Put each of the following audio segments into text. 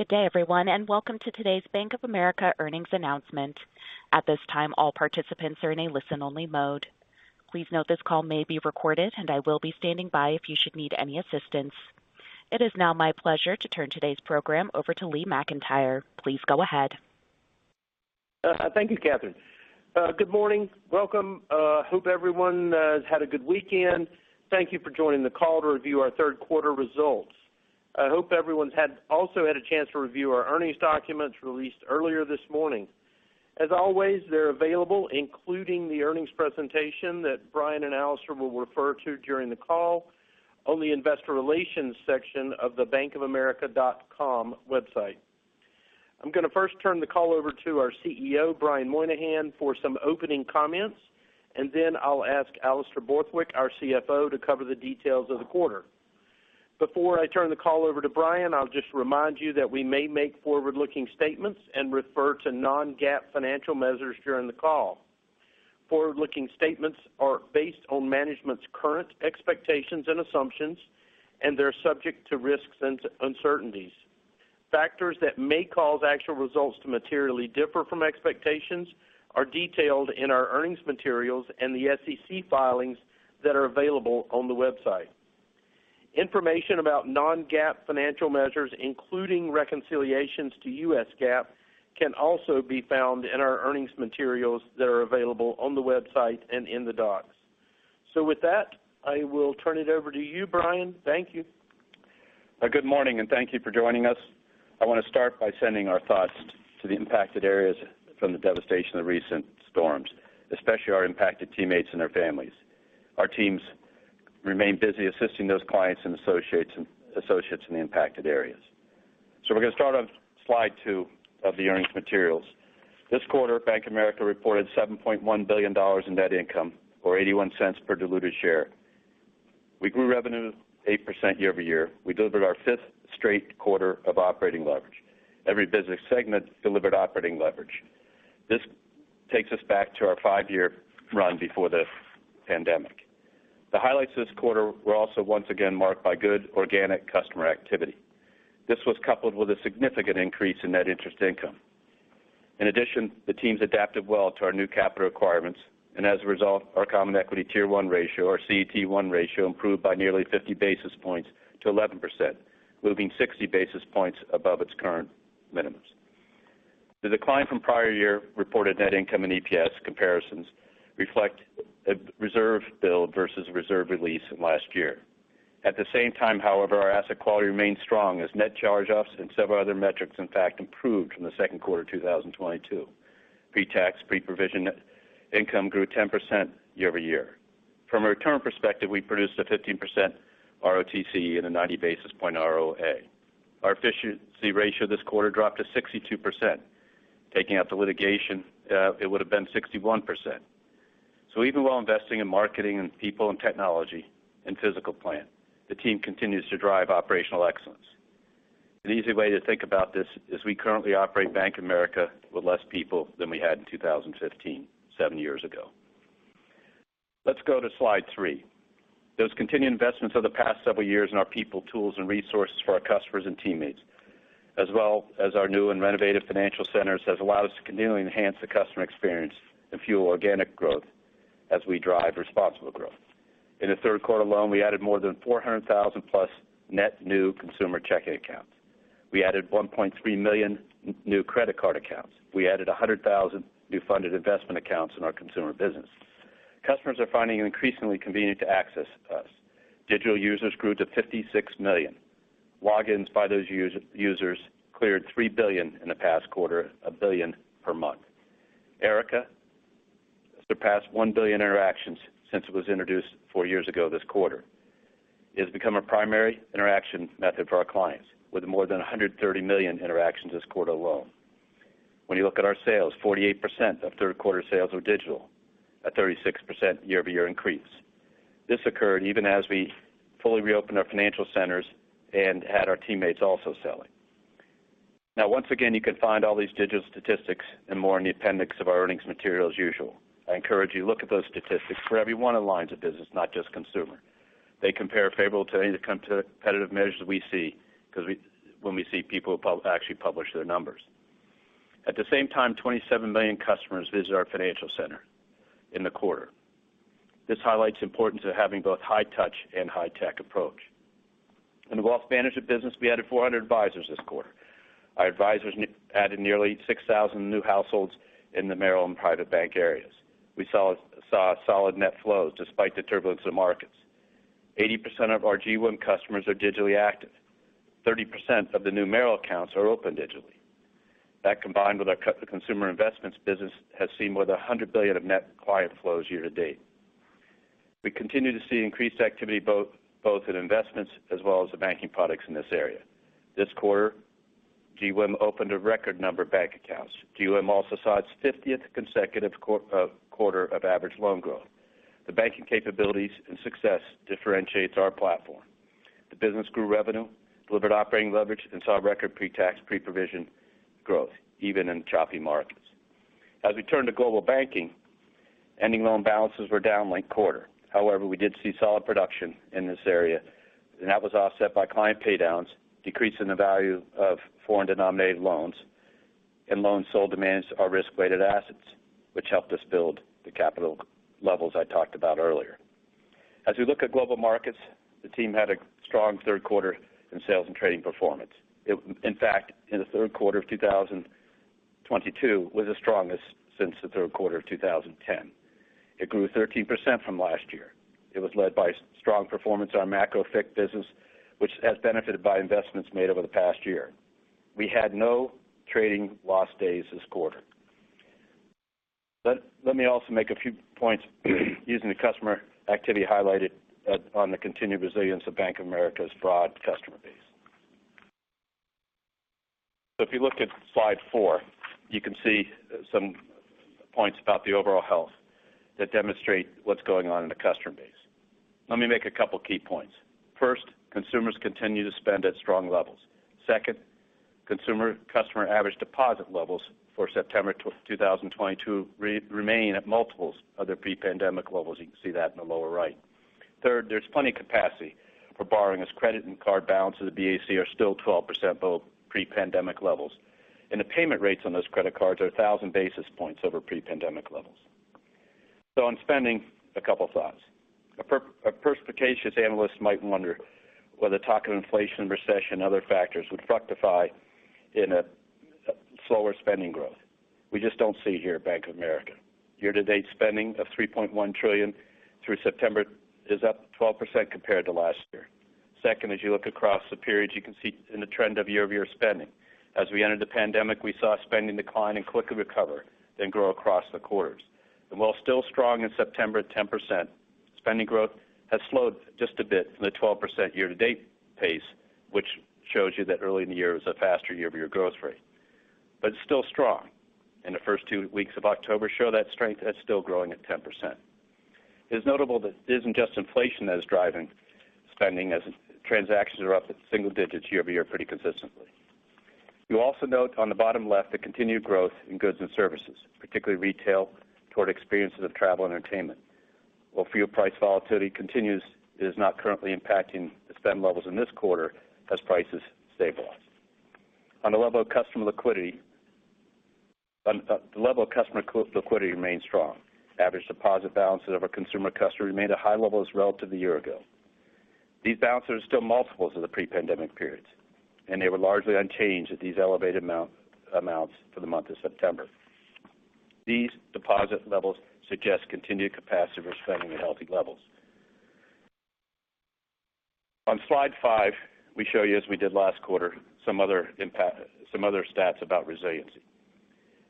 Good day, everyone, and welcome to today's Bank of America earnings announcement. At this time, all participants are in a listen-only mode. Please note this call may be recorded, and I will be standing by if you should need any assistance. It is now my pleasure to turn today's program over to Lee McEntire. Please go ahead. Thank you, Catherine. Good morning. Welcome. Hope everyone has had a good weekend. Thank you for joining the call to review our third quarter results. I hope everyone's also had a chance to review our earnings documents released earlier this morning. As always, they're available, including the earnings presentation that Brian and Alastair will refer to during the call on the Investor Relations section of the bankofamerica.com website. I'm gonna first turn the call over to our CEO, Brian Moynihan, for some opening comments, and then I'll ask Alastair Borthwick, our CFO, to cover the details of the quarter. Before I turn the call over to Brian, I'll just remind you that we may make forward-looking statements and refer to non-GAAP financial measures during the call. Forward-looking statements are based on management's current expectations and assumptions, and they're subject to risks and uncertainties. Factors that may cause actual results to materially differ from expectations are detailed in our earnings materials and the SEC filings that are available on the website. Information about non-GAAP financial measures, including reconciliations to U.S. GAAP, can also be found in our earnings materials that are available on the website and in the docs. With that, I will turn it over to you, Brian. Thank you. Good morning, and thank you for joining us. I wanna start by sending our thoughts to the impacted areas from the devastation of recent storms, especially our impacted teammates and their families. Our teams remain busy assisting those clients and associates in the impacted areas. We're gonna start on slide 2 of the earnings materials. This quarter, Bank of America reported $7.1 billion in net income or $0.81 per diluted share. We grew revenue 8% year-over-year. We delivered our fifth straight quarter of operating leverage. Every business segment delivered operating leverage. This takes us back to our five-year run before the pandemic. The highlights this quarter were also once again marked by good organic customer activity. This was coupled with a significant increase in net interest income. In addition, the teams adapted well to our new capital requirements, and as a result, our common equity tier one ratio, our CET1 ratio, improved by nearly 50 basis points to 11%, moving 60 basis points above its current minimums. The decline from prior-year reported net income and EPS comparisons reflect a reserve build versus reserve release last year. At the same time, however, our asset quality remained strong as net charge-offs and several other metrics in fact improved from the second quarter of 2022. Pre-tax, pre-provisioned income grew 10% year-over-year. From a return perspective, we produced a 15% ROTCE and a 90 basis point ROA. Our efficiency ratio this quarter dropped to 62%. Taking out the litigation, it would have been 61%. Even while investing in marketing and people and technology and physical plant, the team continues to drive operational excellence. An easy way to think about this is we currently operate Bank of America with less people than we had in 2015, seven years ago. Let's go to slide 3. Those continued investments over the past several years in our people, tools, and resources for our customers and teammates, as well as our new and renovated financial centers, has allowed us to continually enhance the customer experience and fuel organic growth as we drive responsible growth. In the third quarter alone, we added more than 400,000+ net new consumer checking accounts. We added 1.3 million new credit card accounts. We added 100,000 new funded investment accounts in our consumer business. Customers are finding it increasingly convenient to access us. Digital users grew to 56 million. Logins by those U.S. users cleared 3 billion in the past quarter, 1 billion per month. Erica surpassed 1 billion interactions since it was introduced four years ago this quarter. It has become a primary interaction method for our clients, with more than 130 million interactions this quarter alone. When you look at our sales, 48% of third quarter sales were digital, a 36% year-over-year increase. This occurred even as we fully reopened our financial centers and had our teammates also selling. Now, once again, you can find all these digital statistics and more in the appendix of our earnings material as usual. I encourage you look at those statistics for every one of the lines of business, not just consumer. They compare favorably to any competitive measures we see, because when we see people actually publish their numbers. At the same time, 27 million customers visit our financial center in the quarter. This highlights the importance of having both high touch and high tech approach. In the Wealth Management business, we added 400 advisors this quarter. Our advisors added nearly 6,000 new households in the Merrill and Private Bank areas. We saw solid net flows despite the turbulence in markets. 80% of our GWIM customers are digitally active. 30% of the new Merrill accounts are opened digitally. That, combined with the consumer investments business, has seen more than $100 billion of net client flows year to date. We continue to see increased activity both in investments as well as the banking products in this area. This quarter, GWIM opened a record number of bank accounts. GWIM also saw its 50th consecutive quarter of average loan growth. The banking capabilities and success differentiates our platform. The business grew revenue, delivered operating leverage, and saw record pre-tax pre-provision growth even in choppy markets. As we turn to global banking. Ending loan balances were down linked quarter. However, we did see solid production in this area, and that was offset by client pay downs, decrease in the value of foreign denominated loans, and loans sold to manage our risk-weighted assets, which helped us build the capital levels I talked about earlier. As we look at global markets, the team had a strong third quarter in sales and trading performance. In fact, in the third quarter of 2022 was the strongest since the third quarter of 2010. It grew 13% from last year. It was led by strong performance on our macro FICC business, which has benefited by investments made over the past year. We had no trading loss days this quarter. Let me also make a few points using the customer activity highlighted on the continued resilience of Bank of America's broad customer base. If you look at slide 4, you can see some points about the overall health that demonstrate what's going on in the customer base. Let me make a couple key points. First, consumers continue to spend at strong levels. Second, consumer average deposit levels for September 2022 remain at multiples of their pre-pandemic levels. You can see that in the lower right. Third, there's plenty capacity for borrowing as credit card balances of the BAC are still 12% below pre-pandemic levels. The payment rates on those credit cards are 1,000 basis points over pre-pandemic levels. On spending, a couple thoughts. A perspicacious analyst might wonder whether the talk of inflation, recession, and other factors would fructify in a slower spending growth. We just don't see it here at Bank of America. Year-to-date spending of $3.1 trillion through September is up 12% compared to last year. Second, as you look across the periods, you can see in the trend of year-over-year spending. As we entered the pandemic, we saw spending decline and quickly recover, then grow across the quarters. While still strong in September at 10%, spending growth has slowed just a bit from the 12% year-to-date pace, which shows you that early in the year it was a faster year-over-year growth rate. It's still strong. In the first two weeks of October show that strength that's still growing at 10%. It's notable that it isn't just inflation that is driving spending as transactions are up at single digits year-over-year pretty consistently. You also note on the bottom left, the continued growth in goods and services, particularly retail toward experiences of travel and entertainment. While fuel price volatility continues, it is not currently impacting the spend levels in this quarter as prices stabilize. The level of customer liquidity remains strong. Average deposit balances of our consumer customers remained at high levels relative to a year ago. These balances are still multiples of the pre-pandemic periods, and they were largely unchanged at these elevated amounts for the month of September. These deposit levels suggest continued capacity for spending at healthy levels. On slide 5, we show you, as we did last quarter, some other impact, some other stats about resiliency.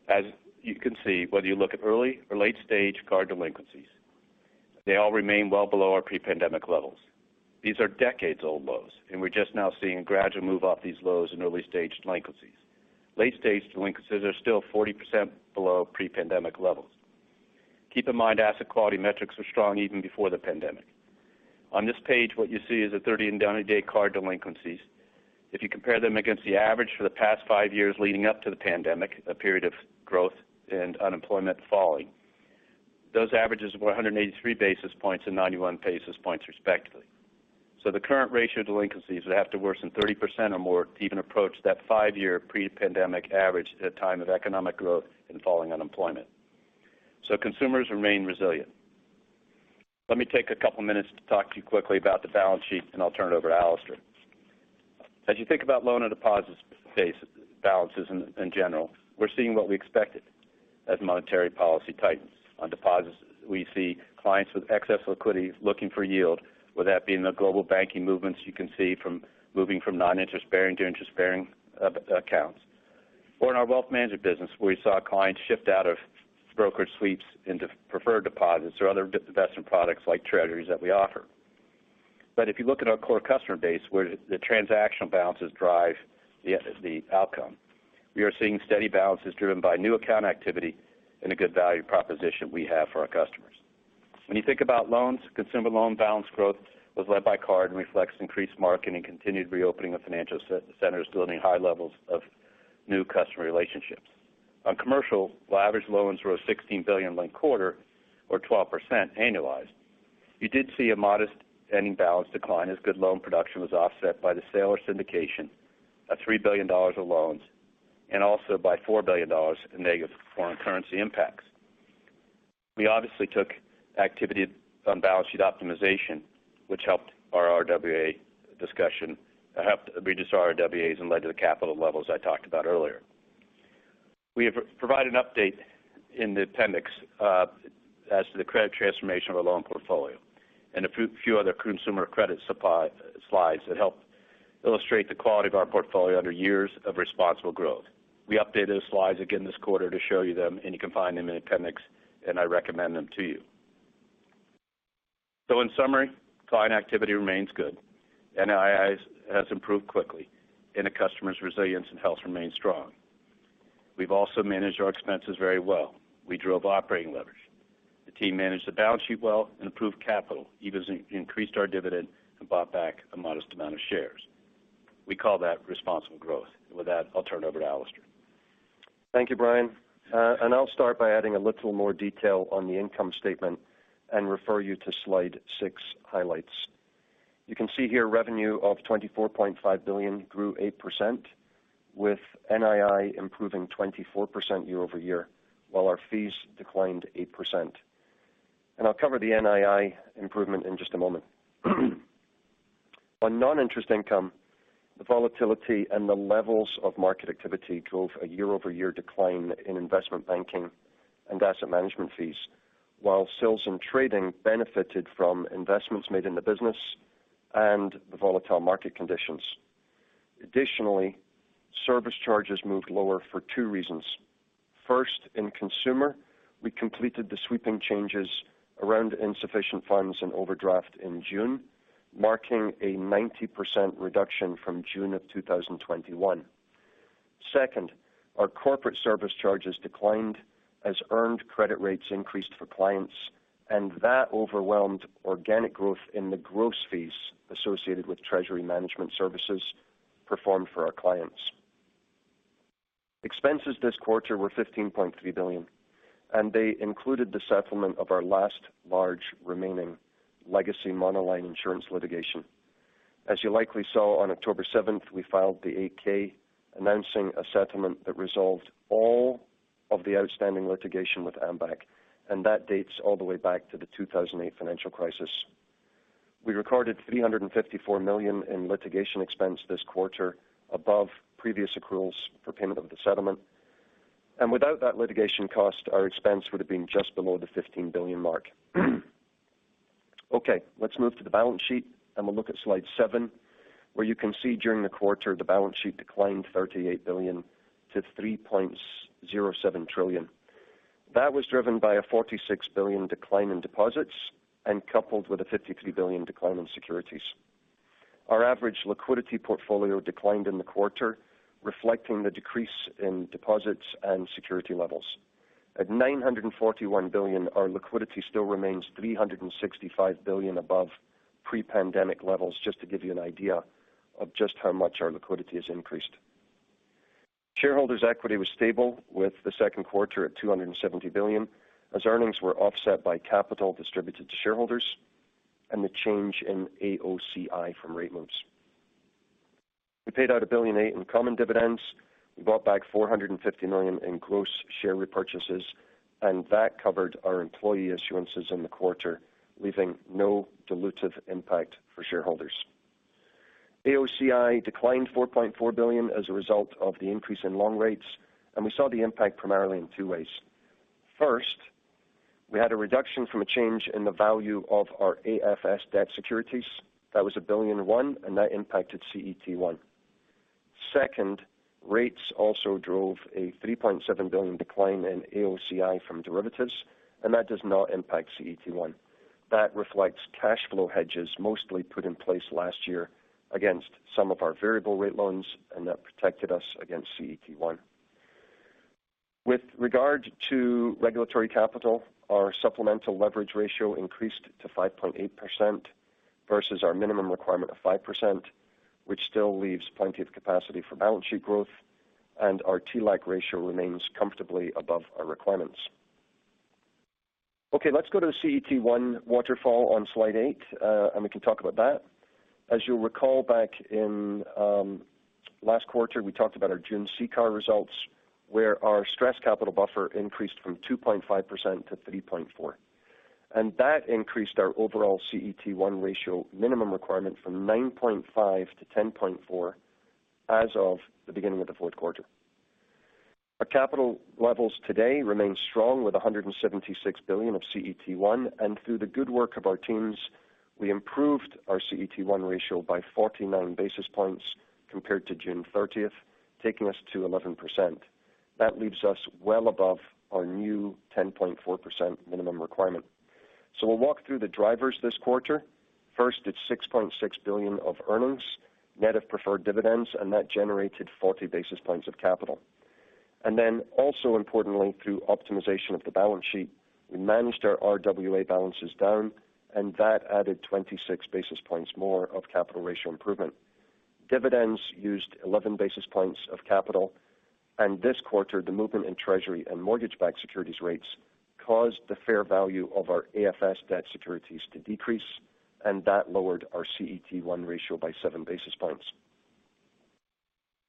As you can see, whether you look at early or late stage card delinquencies, they all remain well below our pre-pandemic levels. These are decades old lows, and we're just now seeing a gradual move off these lows in early stage delinquencies. Late stage delinquencies are still 40% below pre-pandemic levels. Keep in mind, asset quality metrics were strong even before the pandemic. On this page, what you see is 30- and 90-day card delinquencies. If you compare them against the average for the past five years leading up to the pandemic, a period of growth and unemployment falling, those averages were 183 basis points and 91 basis points respectively. The current ratio of delinquencies would have to worsen 30% or more to even approach that five-year pre-pandemic average at a time of economic growth and falling unemployment. Consumers remain resilient. Let me take a couple minutes to talk to you quickly about the balance sheet, and I'll turn it over to Alastair. As you think about loan and deposits base balances in general, we're seeing what we expected as monetary policy tightens. On deposits, we see clients with excess liquidity looking for yield, whether that being the global banking movements you can see from moving from non-interest bearing to interest-bearing accounts. Or in our Wealth Management business, where we saw clients shift out of brokerage sweeps into preferred deposits or other investment products like treasuries that we offer. If you look at our core customer base, where the transactional balances drive the outcome, we are seeing steady balances driven by new account activity and a good value proposition we have for our customers. When you think about loans, consumer loan balance growth was led by card and reflects increased marketing, continued reopening of financial centers building high levels of new customer relationships. On commercial, while average loans rose $16 billion linked quarter or 12% annualized, you did see a modest ending balance decline as good loan production was offset by the sale or syndication of $3 billion of loans and also by $4 billion in negative foreign currency impacts. We obviously took activity on balance sheet optimization, which helped our RWA discussion, helped reduce our RWAs and led to the capital levels I talked about earlier. We have provided an update in the appendix as to the credit transformation of our loan portfolio and a few other consumer credit slides that help illustrate the quality of our portfolio under years of responsible growth. We updated the slides again this quarter to show you them, and you can find them in the appendix, and I recommend them to you. In summary, client activity remains good. NII has improved quickly, and the customer's resilience and health remains strong. We've also managed our expenses very well. We drove operating leverage. The team managed the balance sheet well and improved capital, even as it increased our dividend and bought back a modest amount of shares. We call that responsible growth. With that, I'll turn it over to Alastair. Thank you, Brian. I'll start by adding a little more detail on the income statement and refer you to slide 6 highlights. You can see here revenue of $24.5 billion grew 8%, with NII improving 24% year-over-year, while our fees declined 8%. I'll cover the NII improvement in just a moment. On non-interest income, the volatility and the levels of market activity drove a year-over-year decline in investment banking and asset management fees, while sales and trading benefited from investments made in the business and the volatile market conditions. Additionally, service charges moved lower for two reasons. First, in consumer, we completed the sweeping changes around insufficient funds and overdraft in June, marking a 90% reduction from June of 2021. Second, our corporate service charges declined as earned credit rates increased for clients, and that overwhelmed organic growth in the gross fees associated with treasury management services performed for our clients. Expenses this quarter were $15.3 billion, and they included the settlement of our last large remaining legacy monoline insurance litigation. As you likely saw on October 7th, we filed the 8-K announcing a settlement that resolved all of the outstanding litigation with Ambac, and that dates all the way back to the 2008 financial crisis. We recorded $354 million in litigation expense this quarter above previous accruals for payment of the settlement. Without that litigation cost, our expense would have been just below the $15 billion mark. Let's move to the balance sheet and we'll look at slide 7, where you can see during the quarter the balance sheet declined $38 billion to $3.07 trillion. That was driven by a $46 billion decline in deposits and coupled with a $53 billion decline in securities. Our average liquidity portfolio declined in the quarter, reflecting the decrease in deposits and security levels. At $941 billion, our liquidity still remains $365 billion above pre-pandemic levels, just to give you an idea of just how much our liquidity has increased. Shareholders equity was stable with the second quarter at $270 billion, as earnings were offset by capital distributed to shareholders and the change in AOCI from rate moves. We paid out $1.8 billion in common dividends. We bought back $450 million in gross share repurchases, and that covered our employee issuances in the quarter, leaving no dilutive impact for shareholders. AOCI declined $4.4 billion as a result of the increase in long rates, and we saw the impact primarily in two ways. First, we had a reduction from a change in the value of our AFS debt securities. That was $1.1 billion, and that impacted CET1. Second, rates also drove a $3.7 billion decline in AOCI from derivatives, and that does not impact CET1. That reflects cash flow hedges mostly put in place last year against some of our variable rate loans, and that protected us against CET1. With regard to regulatory capital, our supplemental leverage ratio increased to 5.8% versus our minimum requirement of 5%, which still leaves plenty of capacity for balance sheet growth, and our TLAC ratio remains comfortably above our requirements. Okay, let's go to the CET1 waterfall on slide 8, and we can talk about that. As you'll recall back in last quarter, we talked about our June CCAR results, where our stress capital buffer increased from 2.5% to 3.4%. That increased our overall CET1 ratio minimum requirement from 9.5% to 10.4% as of the beginning of the fourth quarter. Our capital levels today remain strong with $176 billion of CET1, and through the good work of our teams, we improved our CET1 ratio by 49 basis points compared to June 30th, taking us to 11%. That leaves us well above our new 10.4% minimum requirement. We'll walk through the drivers this quarter. First, it's $6.6 billion of earnings, net of preferred dividends, and that generated 40 basis points of capital. Then also importantly, through optimization of the balance sheet, we managed our RWA balances down and that added 26 basis points more of capital ratio improvement. Dividends used 11 basis points of capital. This quarter, the movement in treasury and mortgage-backed securities rates caused the fair value of our AFS debt securities to decrease, and that lowered our CET1 ratio by 7 basis points.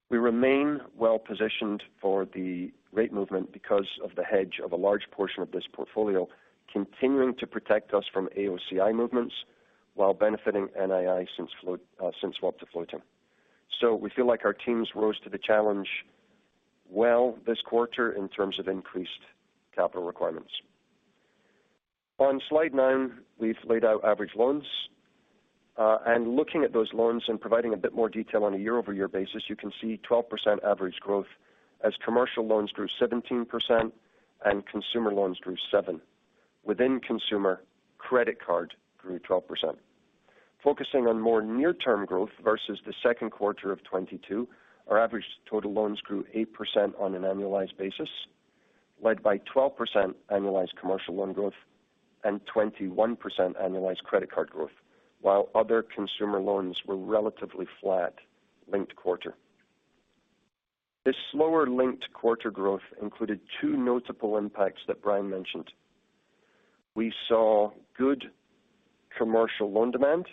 We remain well positioned for the rate movement because of the hedge of a large portion of this portfolio continuing to protect us from AOCI movements while benefiting NII since swap to floating. We feel like our teams rose to the challenge well this quarter in terms of increased capital requirements. On slide 9, we've laid out average loans, and looking at those loans and providing a bit more detail on a year-over-year basis, you can see 12% average growth as commercial loans grew 17% and consumer loans grew 7%. Within consumer, credit card grew 12%. Focusing on more near-term growth versus the second quarter of 2022, our average total loans grew 8% on an annualized basis. Led by 12% annualized commercial loan growth and 21% annualized credit card growth, while other consumer loans were relatively flat linked quarter. This slower linked quarter growth included two notable impacts that Brian mentioned. We saw good commercial loan demand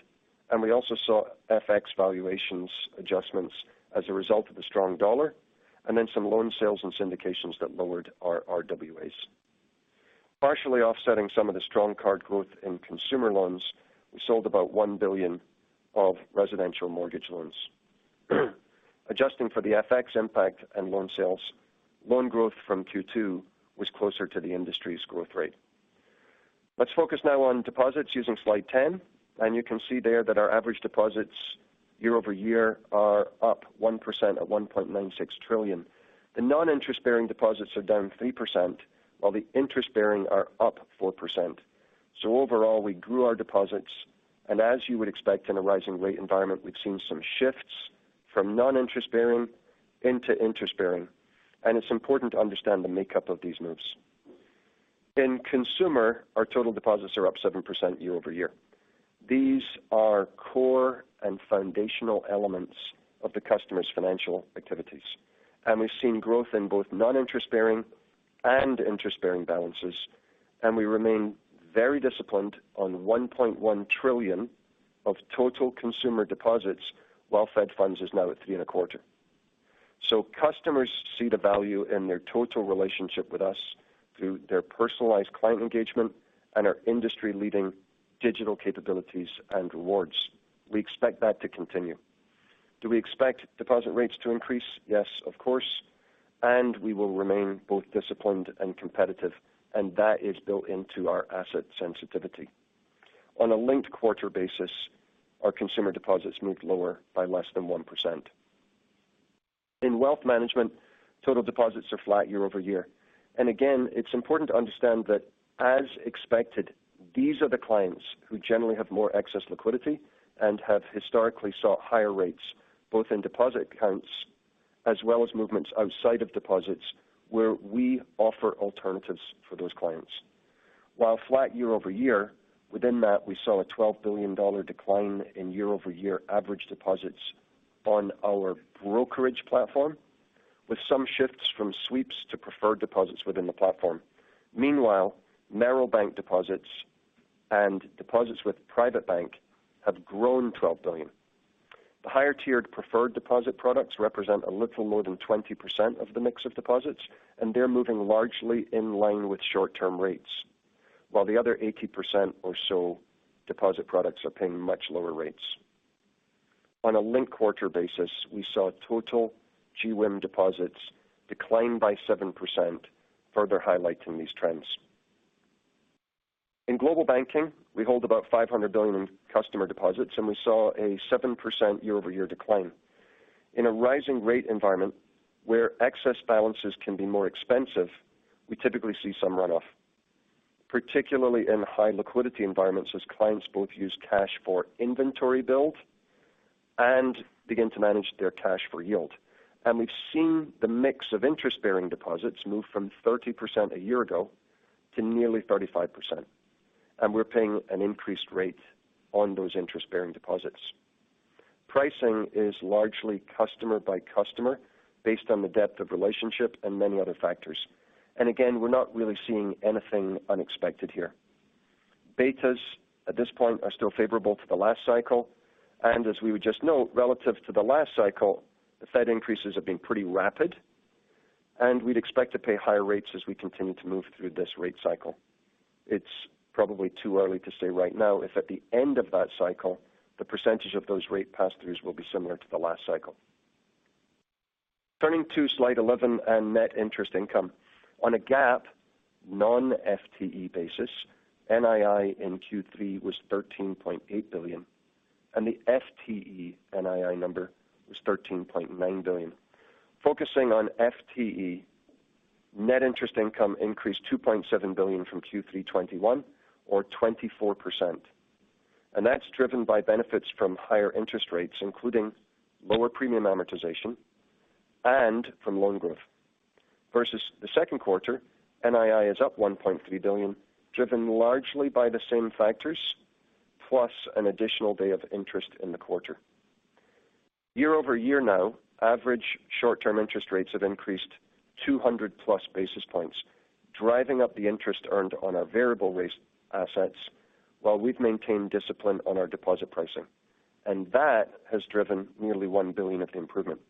and we also saw FX valuation adjustments as a result of the strong dollar, and then some loan sales and syndications that lowered our RWAs. Partially offsetting some of the strong card growth in consumer loans, we sold about $1 billion of residential mortgage loans. Adjusting for the FX impact and loan sales, loan growth from Q2 was closer to the industry's growth rate. Let's focus now on deposits using slide ten, and you can see there that our average deposits year-over-year are up 1% at $1.96 trillion. The non-interest bearing deposits are down 3% while the interest bearing are up 4%. Overall, we grew our deposits. As you would expect in a rising rate environment, we've seen some shifts from non-interest bearing into interest bearing, and it's important to understand the makeup of these moves. In consumer, our total deposits are up 7% year-over-year. These are core and foundational elements of the customer's financial activities, and we've seen growth in both non-interest bearing and interest bearing balances. We remain very disciplined on $1.1 trillion of total consumer deposits while Fed funds is now at 3.25%. Customers see the value in their total relationship with us through their personalized client engagement and our industry leading digital capabilities and rewards. We expect that to continue. Do we expect deposit rates to increase? Yes, of course. We will remain both disciplined and competitive, and that is built into our asset sensitivity. On a linked quarter basis, our consumer deposits moved lower by less than 1%. In Wealth Management, total deposits are flat year-over-year. It's important to understand that as expected, these are the clients who generally have more excess liquidity and have historically sought higher rates both in deposit accounts as well as movements outside of deposits where we offer alternatives for those clients. While flat year-over-year, within that we saw a $12 billion decline in year-over-year average deposits on our brokerage platform, with some shifts from sweeps to preferred deposits within the platform. Meanwhile, Merrill bank deposits and deposits with Private Bank have grown $12 billion. The higher tiered preferred deposit products represent a little more than 20% of the mix of deposits, and they're moving largely in line with short-term rates, while the other 80% or so deposit products are paying much lower rates. On a linked-quarter basis, we saw total GWIM deposits decline by 7% further highlighting these trends. In global banking, we hold about $500 billion in customer deposits, and we saw a 7% year-over-year decline. In a rising rate environment where excess balances can be more expensive, we typically see some runoff, particularly in high liquidity environments as clients both use cash for inventory build and begin to manage their cash for yield. We've seen the mix of interest bearing deposits move from 30% a year ago to nearly 35%, and we're paying an increased rate on those interest bearing deposits. Pricing is largely customer by customer based on the depth of relationship and many other factors. Again, we're not really seeing anything unexpected here. Betas at this point are still favorable to the last cycle, and as we would just note, relative to the last cycle, the Fed increases have been pretty rapid and we'd expect to pay higher rates as we continue to move through this rate cycle. It's probably too early to say right now if at the end of that cycle the percentage of those rate pass-throughs will be similar to the last cycle. Turning to slide 11 and net interest income. On a GAAP non-FTE basis, NII in Q3 was $13.8 billion and the FTE NII number was $13.9 billion. Focusing on FTE, net interest income increased $2.7 billion from Q3 2021 or 24%. That's driven by benefits from higher interest rates, including lower premium amortization and from loan growth. Versus the second quarter, NII is up $1.3 billion, driven largely by the same factors, plus an additional day of interest in the quarter. Year-over-year now, average short-term interest rates have increased 200+ basis points, driving up the interest earned on our variable rate assets while we've maintained discipline on our deposit pricing. That has driven nearly $1 billion of improvement.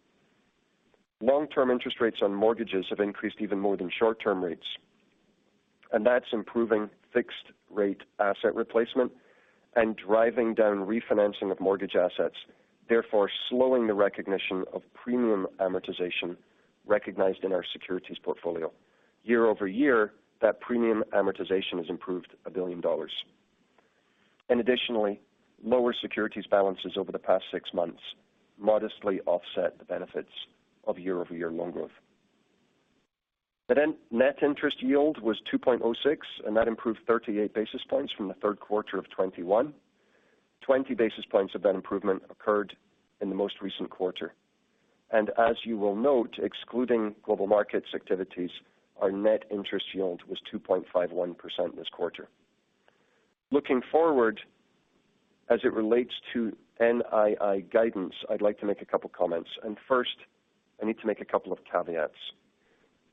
Long-term interest rates on mortgages have increased even more than short-term rates, and that's improving fixed rate asset replacement and driving down refinancing of mortgage assets, therefore slowing the recognition of premium amortization recognized in our securities portfolio. Year-over-year, that premium amortization has improved $1 billion. Additionally, lower securities balances over the past six months modestly offset the benefits of year-over-year loan growth. The net interest yield was 2.06%, and that improved 38 basis points from the third quarter of 2021. 20 basis points of that improvement occurred in the most recent quarter. As you will note, excluding global markets activities, our net interest yield was 2.51% this quarter. Looking forward, as it relates to NII guidance, I'd like to make a couple of comments, and first I need to make a couple of caveats.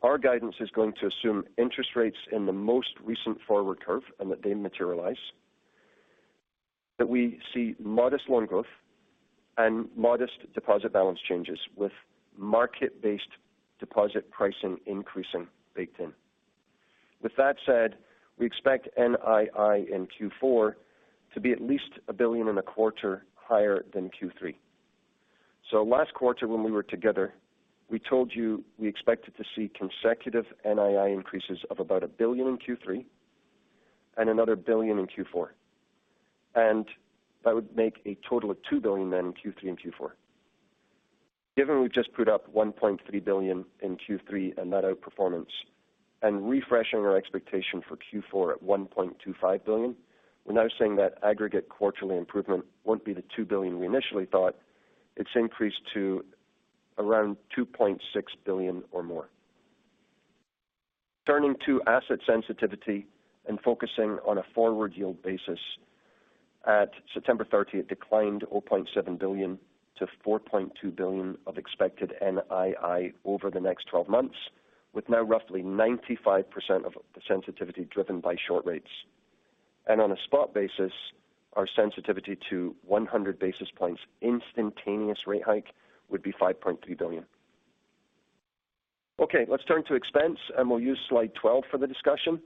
Our guidance is going to assume interest rates in the most recent forward curve and that they materialize. That we see modest loan growth and modest deposit balance changes with market-based deposit pricing increasing baked in. With that said, we expect NII in Q4 to be at least $1.25 billion higher than Q3. Last quarter when we were together, we told you we expected to see consecutive NII increases of about $1 billion in Q3 and another $1 billion in Q4, and that would make a total of $2 billion then in Q3 and Q4. Given we've just put up $1.3 billion in Q3 and that outperformance and refreshing our expectation for Q4 at $1.25 billion, we're now saying that aggregate quarterly improvement won't be the $2 billion we initially thought. It's increased to around $2.6 billion or more. Turning to asset sensitivity and focusing on a forward-yield basis at September 30th declined to $4.7 billion to $4.2 billion of expected NII over the next 12 months, with now roughly 95% of the sensitivity driven by short rates. On a spot basis, our sensitivity to 100 basis points instantaneous rate hike would be $5.3 billion. Okay, let's turn to expense and we'll use slide 12 for the discussion.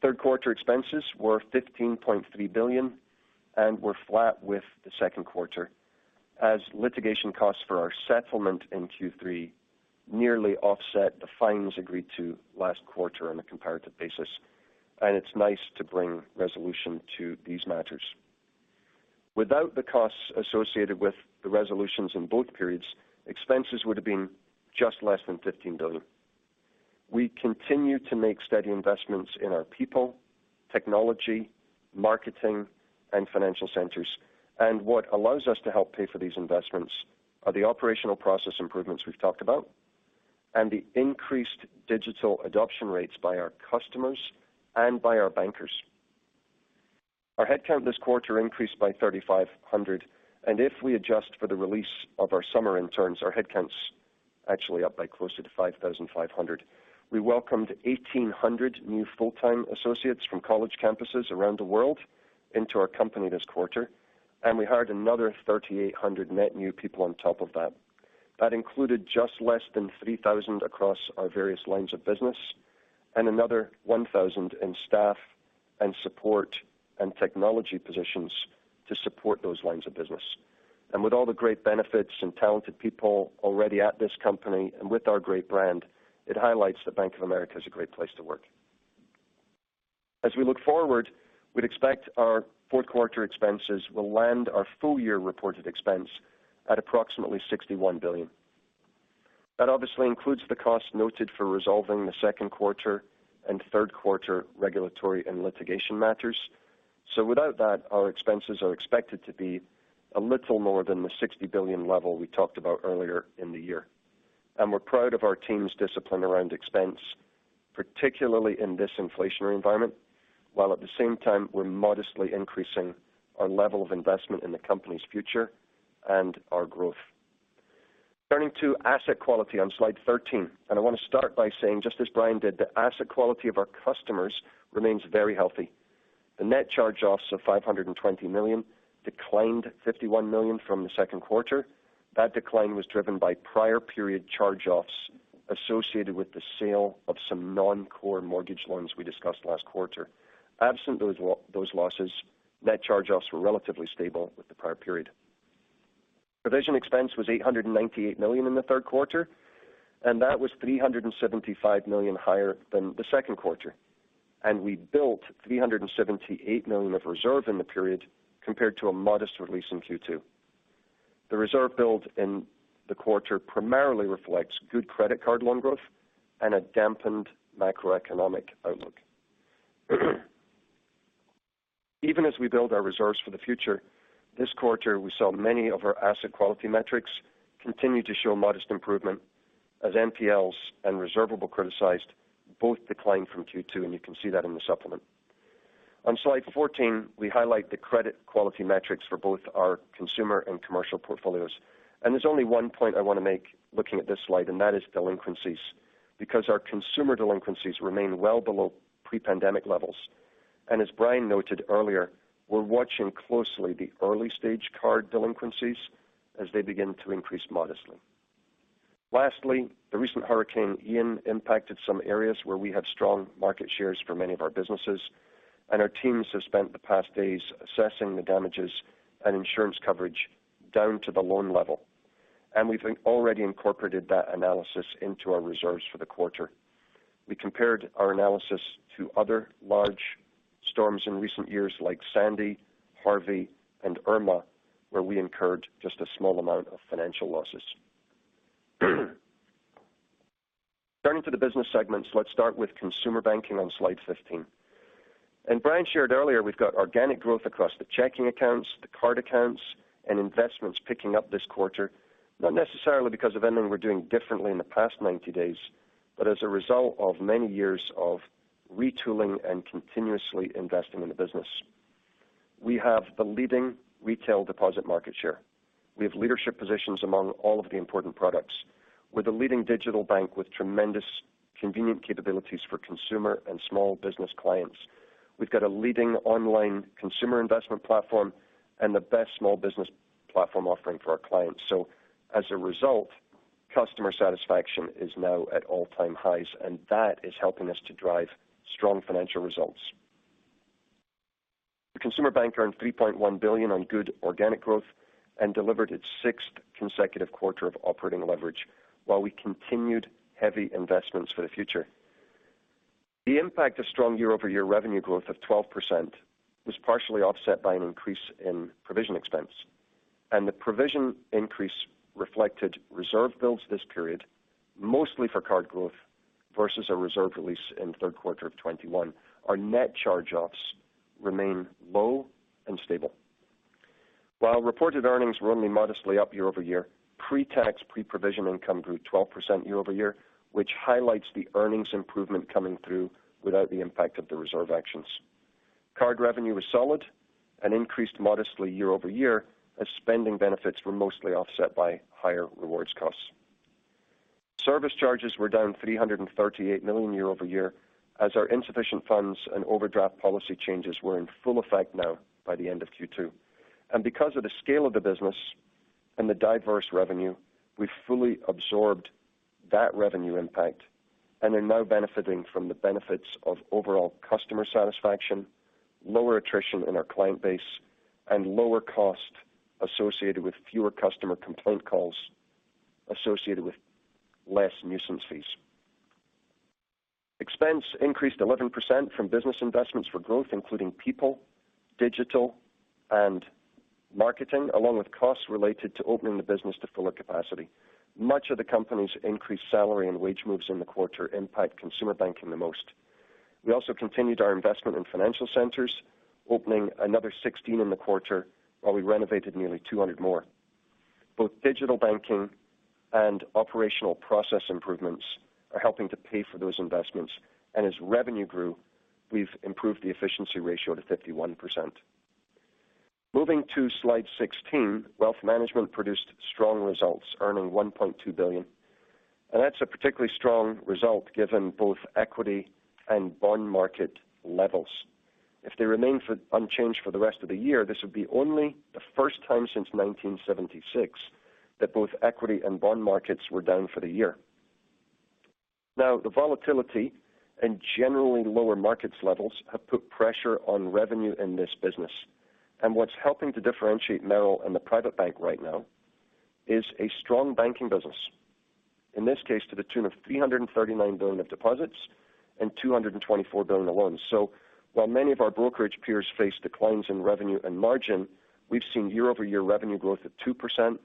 Third quarter expenses were $15.3 billion and were flat with the second quarter as litigation costs for our settlement in Q3 nearly offset the fines agreed to last quarter on a comparative basis. It's nice to bring resolution to these matters. Without the costs associated with the resolutions in both periods, expenses would have been just less than $15 billion. We continue to make steady investments in our people, technology, marketing, and financial centers. What allows us to help pay for these investments are the operational process improvements we've talked about and the increased digital adoption rates by our customers and by our bankers. Our headcount this quarter increased by 3,500, and if we adjust for the release of our summer interns, our headcounts actually up by closer to 5,500. We welcomed 1,800 new full-time associates from college campuses around the world into our company this quarter, and we hired another 3,800 net new people on top of that. That included just less than 3,000 across our various lines of business and another 1,000 in staff and support and technology positions to support those lines of business. With all the great benefits and talented people already at this company and with our great brand, it highlights that Bank of America is a great place to work. As we look forward, we'd expect our fourth quarter expenses will land our full-year reported expense at approximately $61 billion. That obviously includes the cost noted for resolving the second quarter and third-quarter regulatory and litigation matters. Without that, our expenses are expected to be a little more than the $60 billion level we talked about earlier in the year. We're proud of our team's discipline around expense, particularly in this inflationary environment, while at the same time we're modestly increasing our level of investment in the company's future and our growth. Turning to asset quality on slide 13, I want to start by saying, just as Brian did, the asset quality of our customers remains very healthy. The net charge-offs of $520 million declined $51 million from the second quarter. That decline was driven by prior period charge-offs associated with the sale of some non-core mortgage loans we discussed last quarter. Absent those losses, net charge-offs were relatively stable with the prior period. Provision expense was $898 million in the third quarter, and that was $375 million higher than the second quarter. We built $378 million of reserve in the period compared to a modest release in Q2. The reserve build in the quarter primarily reflects good credit card loan growth and a dampened macroeconomic outlook. Even as we build our reserves for the future, this quarter we saw many of our asset quality metrics continue to show modest improvement as NPLs and reservable criticized both declined from Q2, and you can see that in the supplement. On slide 14, we highlight the credit quality metrics for both our consumer and commercial portfolios. There's only one point I want to make looking at this slide, and that is delinquencies, because our consumer delinquencies remain well below pre-pandemic levels. As Brian noted earlier, we're watching closely the early-stage card delinquencies as they begin to increase modestly. Lastly, the recent Hurricane Ian impacted some areas where we have strong market shares for many of our businesses, and our teams have spent the past days assessing the damages and insurance coverage down to the loan level, and we've already incorporated that analysis into our reserves for the quarter. We compared our analysis to other large storms in recent years, like Sandy, Harvey, and Irma, where we incurred just a small amount of financial losses. Turning to the business segments, let's start with consumer banking on slide 15. Brian shared earlier we've got organic growth across the checking accounts, the card accounts, and investments picking up this quarter, not necessarily because of anything we're doing differently in the past 90 days, but as a result of many years of retooling and continuously investing in the business. We have the leading retail deposit market share. We have leadership positions among all of the important products. We're the leading digital bank with tremendous convenient capabilities for consumer and small business clients. We've got a leading online consumer investment platform and the best small business platform offering for our clients. As a result, customer satisfaction is now at all-time highs, and that is helping us to drive strong financial results. The consumer bank earned $3.1 billion on good organic growth and delivered its sixth consecutive quarter of operating leverage while we continued heavy investments for the future. The impact of strong year-over-year revenue growth of 12% was partially offset by an increase in provision expense, and the provision increase reflected reserve builds this period, mostly for card growth versus a reserve release in third quarter of 2021. Our net charge-offs remain low and stable. While reported earnings were only modestly up year-over-year, pre-tax, pre-provision income grew 12% year-over-year, which highlights the earnings improvement coming through without the impact of the reserve actions. Card revenue was solid and increased modestly year-over-year as spending benefits were mostly offset by higher rewards costs. Service charges were down $338 million year-over-year as our insufficient funds and overdraft policy changes were in full effect now by the end of Q2. Because of the scale of the business and the diverse revenue, we fully absorbed that revenue impact and are now benefiting from the benefits of overall customer satisfaction, lower attrition in our client base, and lower cost associated with fewer customer complaint calls associated with less nuisance fees. Expense increased 11% from business investments for growth, including people, digital, and marketing, along with costs related to opening the business to fuller capacity. Much of the company's increased salary and wage moves in the quarter impact consumer banking the most. We also continued our investment in financial centers, opening another 16 in the quarter while we renovated nearly 200 more. Both digital banking and operational process improvements are helping to pay for those investments. As revenue grew, we've improved the efficiency ratio to 51%. Moving to slide 16. Wealth Management produced strong results, earning $1.2 billion. That's a particularly strong result given both equity and bond market levels. If they remain unchanged for the rest of the year, this would be only the first time since 1976 that both equity and bond markets were down for the year. Now, the volatility and generally lower markets levels have put pressure on revenue in this business. What's helping to differentiate Merrill and the Private Bank right now is a strong banking business, in this case to the tune of $339 billion of deposits and $224 billion in loans. While many of our brokerage peers face declines in revenue and margin, we've seen year-over-year revenue growth of 2%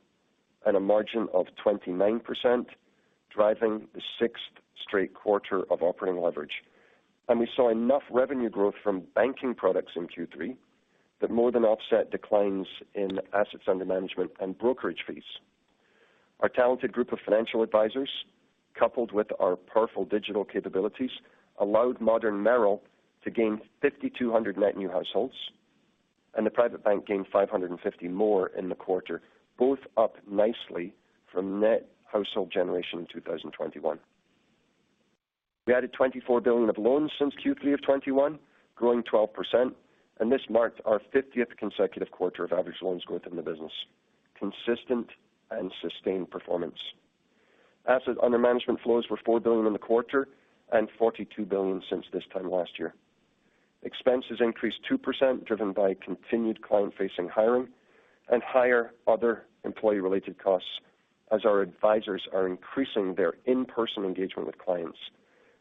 and a margin of 29%, driving the sixth straight quarter of operating leverage. We saw enough revenue growth from banking products in Q3 that more than offset declines in assets under management and brokerage fees. Our talented group of financial advisors, coupled with our powerful digital capabilities, allowed modern Merrill to gain 5,200 net new households, and the Private Bank gained 550 more in the quarter, both up nicely from net household generation in 2021. We added $24 billion of loans since Q3 of 2021, growing 12%, and this marked our 50th consecutive quarter of average loans growth in the business. Consistent and sustained performance. Assets under management flows were $4 billion in the quarter and $42 billion since this time last year. Expenses increased 2%, driven by continued client-facing hiring and higher other employee-related costs as our advisors are increasing their in-person engagement with clients,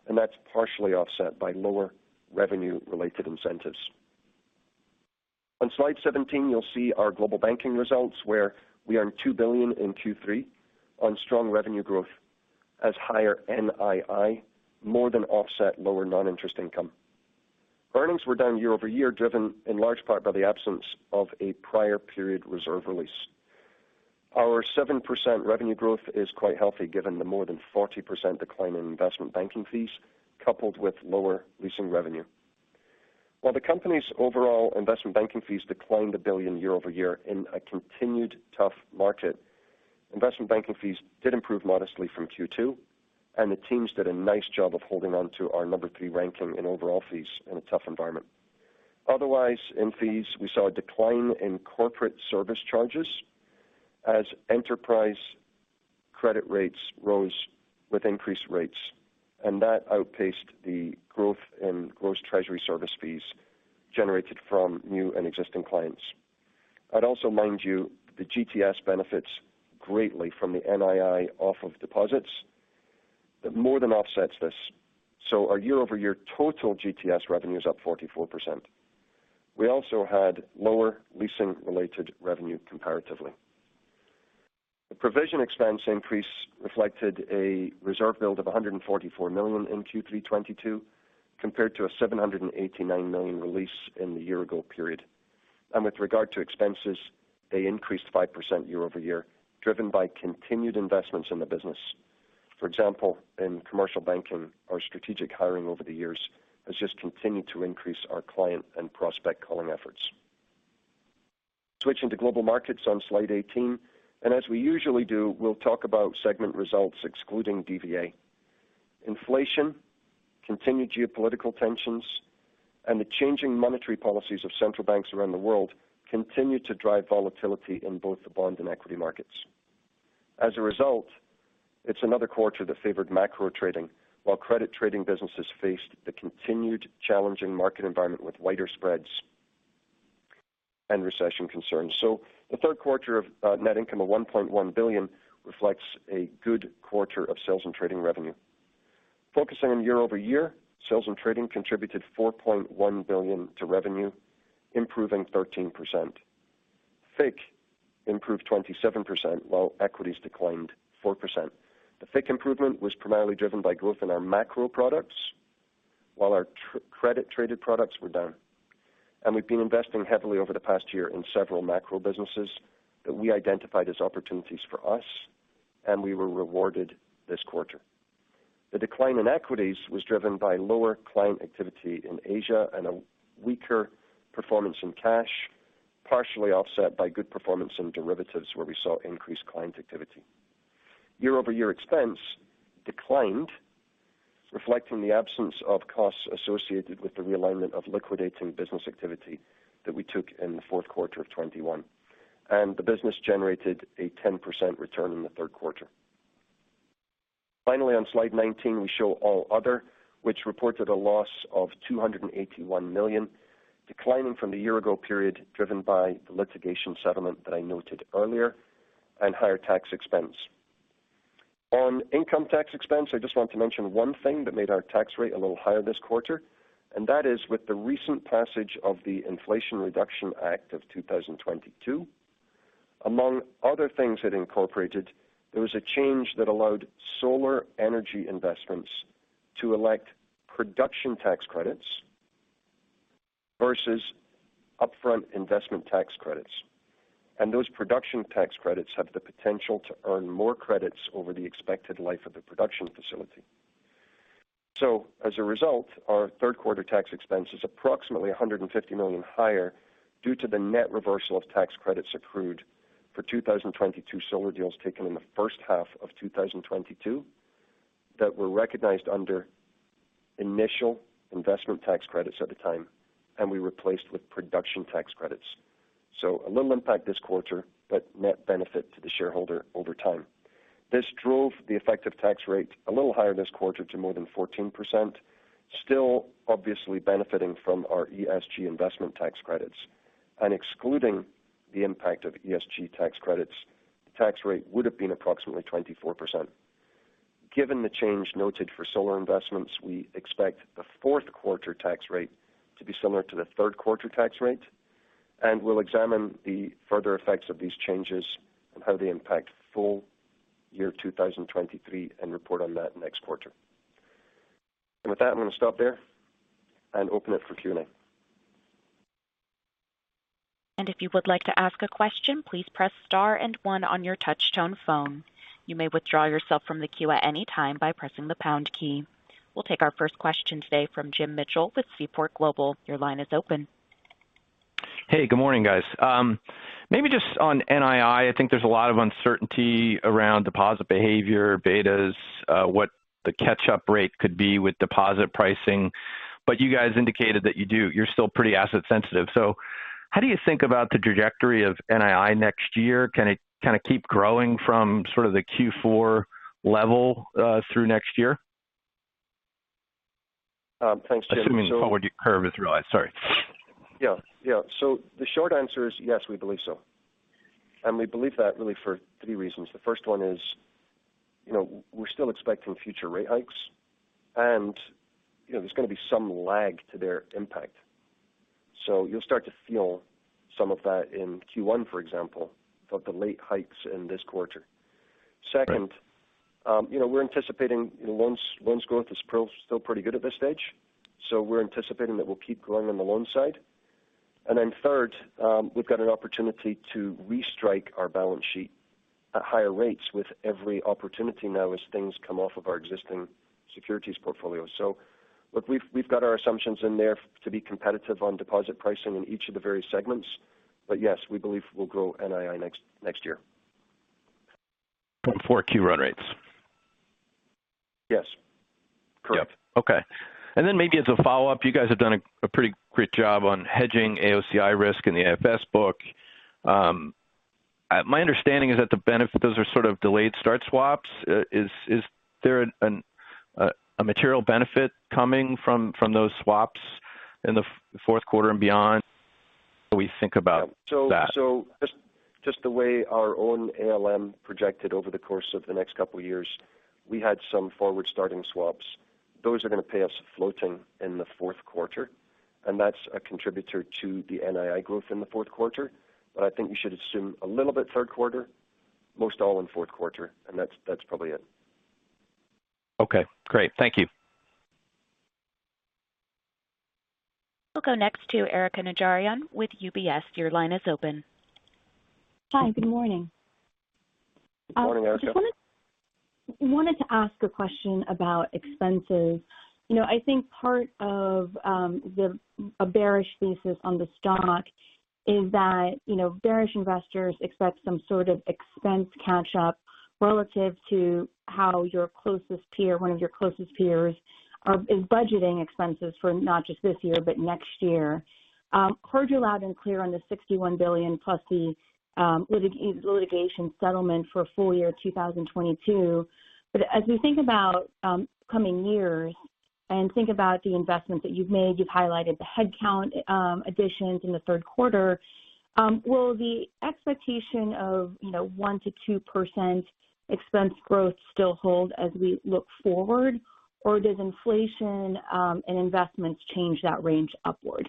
and that's partially offset by lower revenue-related incentives. On slide 17, you'll see our global banking results, where we earned $2 billion in Q3 on strong revenue growth as higher NII more than offset lower non-interest income. Earnings were down year-over-year, driven in large part by the absence of a prior period reserve release. Our 7% revenue growth is quite healthy, given the more than 40% decline in investment banking fees coupled with lower leasing revenue. While the company's overall investment banking fees declined $1 billion year-over-year in a continued tough market, investment banking fees did improve modestly from Q2, and the teams did a nice job of holding on to our number three ranking in overall fees in a tough environment. Otherwise, in fees, we saw a decline in corporate service charges as enterprise credit rates rose with increased rates, and that outpaced the growth in gross treasury service fees generated from new and existing clients. I'd also remind you, the GTS benefits greatly from the NII off of deposits that more than offsets this. Our year-over-year total GTS revenue is up 44%. We also had lower leasing related revenue comparatively. The provision expense increase reflected a reserve build of $144 million in Q3 2022 compared to a $789 million release in the year-ago period. With regard to expenses, they increased 5% year-over-year, driven by continued investments in the business. For example, in commercial banking, our strategic hiring over the years has just continued to increase our client and prospect calling efforts. Switching to global markets on slide 18, and as we usually do, we'll talk about segment results excluding DVA. Inflation, continued geopolitical tensions, and the changing monetary policies of central banks around the world continue to drive volatility in both the bond and equity markets. As a result, it's another quarter that favored macro trading while credit trading businesses faced the continued challenging market environment with wider spreads and recession concerns. The third quarter of net income of $1.1 billion reflects a good quarter of sales and trading revenue. Focusing on year-over-year, sales and trading contributed $4.1 billion to revenue, improving 13%. FIC improved 27%, while equities declined 4%. The FIC improvement was primarily driven by growth in our macro products while our credit-traded products were down. We've been investing heavily over the past year in several macro businesses that we identified as opportunities for us, and we were rewarded this quarter. The decline in equities was driven by lower client activity in Asia and a weaker performance in cash, partially offset by good performance in derivatives, where we saw increased client activity. Year-over-year expense declined, reflecting the absence of costs associated with the realignment of liquidating business activity that we took in the fourth quarter of 2021. The business generated a 10% return in the third quarter. Finally, on slide 19, we show all other, which reported a loss of $281 million, declining from the year-ago period, driven by the litigation settlement that I noted earlier and higher tax expense. On income tax expense, I just want to mention one thing that made our tax rate a little higher this quarter, and that is with the recent passage of the Inflation Reduction Act of 2022. Among other things it incorporated, there was a change that allowed solar energy investments to elect production tax credits versus upfront investment tax credits. Those production tax credits have the potential to earn more credits over the expected life of the production facility. As a result, our third quarter tax expense is approximately $150 million higher due to the net reversal of tax credits accrued for 2022 solar deals taken in the first half of 2022 that were recognized under initial investment tax credits at the time, and we replaced with production tax credits. A little impact this quarter, but net benefit to the shareholder over time. This drove the effective tax rate a little higher this quarter to more than 14%, still obviously benefiting from our ESG investment tax credits. Excluding the impact of ESG tax credits, the tax rate would have been approximately 24%. Given the change noted for solar investments, we expect the fourth quarter tax rate to be similar to the third quarter tax rate, and we'll examine the further effects of these changes and how they impact full-year 2023 and report on that next quarter. With that, I'm going to stop there and open it for Q&A. If you would like to ask a question, please press star and one on your touchtone phone. You may withdraw yourself from the queue at any time by pressing the pound key. We'll take our first question today from Jim Mitchell with Seaport Global. Your line is open. Hey, good morning, guys. Maybe just on NII, I think there's a lot of uncertainty around deposit behavior, betas, what the catch-up rate could be with deposit pricing, but you guys indicated that you do. You're still pretty asset sensitive. How do you think about the trajectory of NII next year? Can it kind of keep growing from sort of the Q4 level, through next year? Thanks, Jim. Assuming forward curve is realized. Sorry. Yeah. Yeah. The short answer is yes, we believe so. We believe that really for three reasons. The first one is, you know, we're still expecting future rate hikes and, you know, there's gonna be some lag to their impact. You'll start to feel some of that in Q1, for example, of the late hikes in this quarter. Second, you know, we're anticipating loans growth is still pretty good at this stage. We're anticipating that we'll keep growing on the loan side. Third, we've got an opportunity to restrike our balance sheet at higher rates with every opportunity now as things come off of our existing securities portfolio. Look, we've got our assumptions in there to be competitive on deposit pricing in each of the various segments. Yes, we believe we'll grow NII next year. From 4Q run rates. Yes. Correct. Maybe as a follow-up, you guys have done a pretty great job on hedging AOCI risk in the AFS book. My understanding is that the benefit, those are sort of delayed start swaps. Is there a material benefit coming from those swaps in the fourth quarter and beyond? What we think about that? Just the way our own ALM projected over the course of the next couple years, we had some forward-starting swaps. Those are gonna pay us floating in the fourth quarter, and that's a contributor to the NII growth in the fourth quarter. I think you should assume a little bit third quarter, most all in fourth quarter, and that's probably it. Okay, great. Thank you. We'll go next to Erika Najarian with UBS. Your line is open. Hi, good morning. Good morning, Erika. I just wanted to ask a question about expenses. You know, I think part of a bearish thesis on the stock is that, you know, bearish investors expect some sort of expense catch-up relative to how your closest peer, one of your closest peers is budgeting expenses for not just this year, but next year. Heard you loud and clear on the $61 billion plus the litigation settlement for full year 2022. As we think about coming years and think about the investments that you've made, you've highlighted the headcount additions in the third quarter, will the expectation of, you know, 1%-2% expense growth still hold as we look forward, or does inflation and investments change that range upward?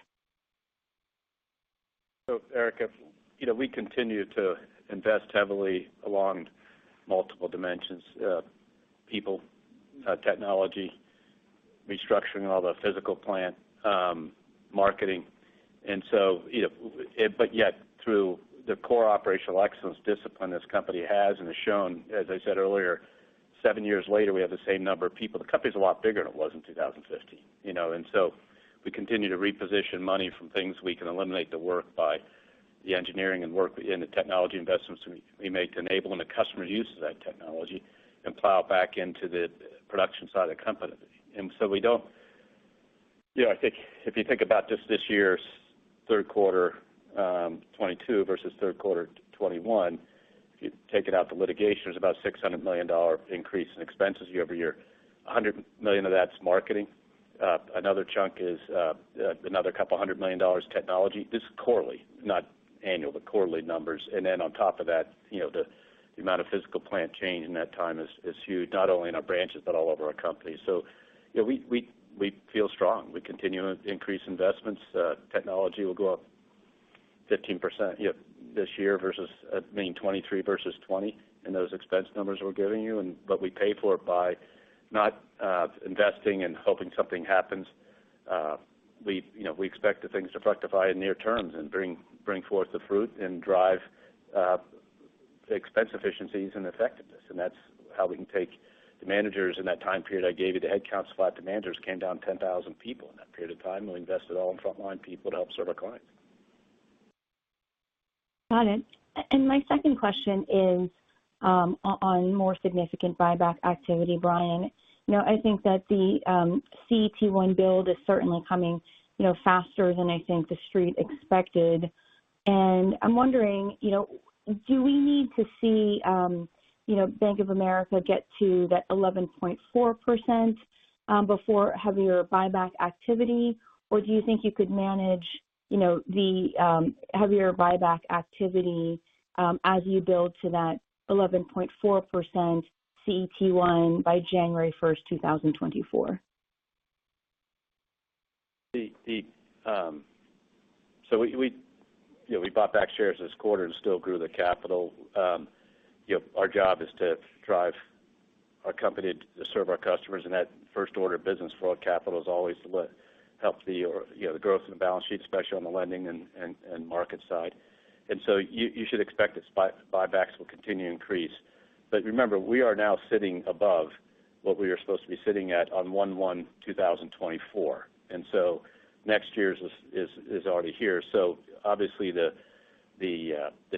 Erika, you know, we continue to invest heavily along multiple dimensions, people, technology, restructuring all the physical plant, marketing. You know, but yet through the core operational excellence discipline this company has and has shown, as I said earlier, seven years later, we have the same number of people. The company's a lot bigger than it was in 2015, you know. We continue to reposition money from things we can eliminate the work by the engineering and work in the technology investments we make enabling the customer use of that technology and plow it back into the production side of the company. You know, I think if you think about just this year's third quarter 2022 versus third quarter 2021, if you've taken out the litigation, there's about $600 million increase in expenses year over year. $100 million of that's marketing. Another chunk is another couple $200 million technology. This is quarterly, not annual, the quarterly numbers. Then on top of that, you know, the amount of physical plant change in that time is huge, not only in our branches, but all over our company. You know, we feel strong. We continue to increase investments. Technology will go up 15%, you know, this year versus, I mean, 2023 versus 2020 in those expense numbers we're giving you. We pay for it by not investing and hoping something happens. You know, we expect the things to fructify in near term and bring forth the fruit and drive expense efficiencies and effectiveness. That's how we can trim the managers in that time period I gave you. The headcount of managers came down 10,000 people in that period of time. We invested all in frontline people to help serve our clients. Got it. My second question is, on more significant buyback activity, Brian. You know, I think that the CET1 build is certainly coming, you know, faster than I think the street expected. I'm wondering, you know, do we need to see, you know, Bank of America get to that 11.4%, before heavier buyback activity? Or do you think you could manage, you know, the heavier buyback activity, as you build to that 11.4% CET1 by January 1st, 2024? You know, we bought back shares this quarter and still grew the capital. You know, our job is to drive our company to serve our customers. That first order of business for our capital is always to help the growth in the balance sheet, especially on the lending and market side. You should expect that buybacks will continue to increase. Remember, we are now sitting above what we are supposed to be sitting at on 01/01/2024. Next year's is already here. Obviously the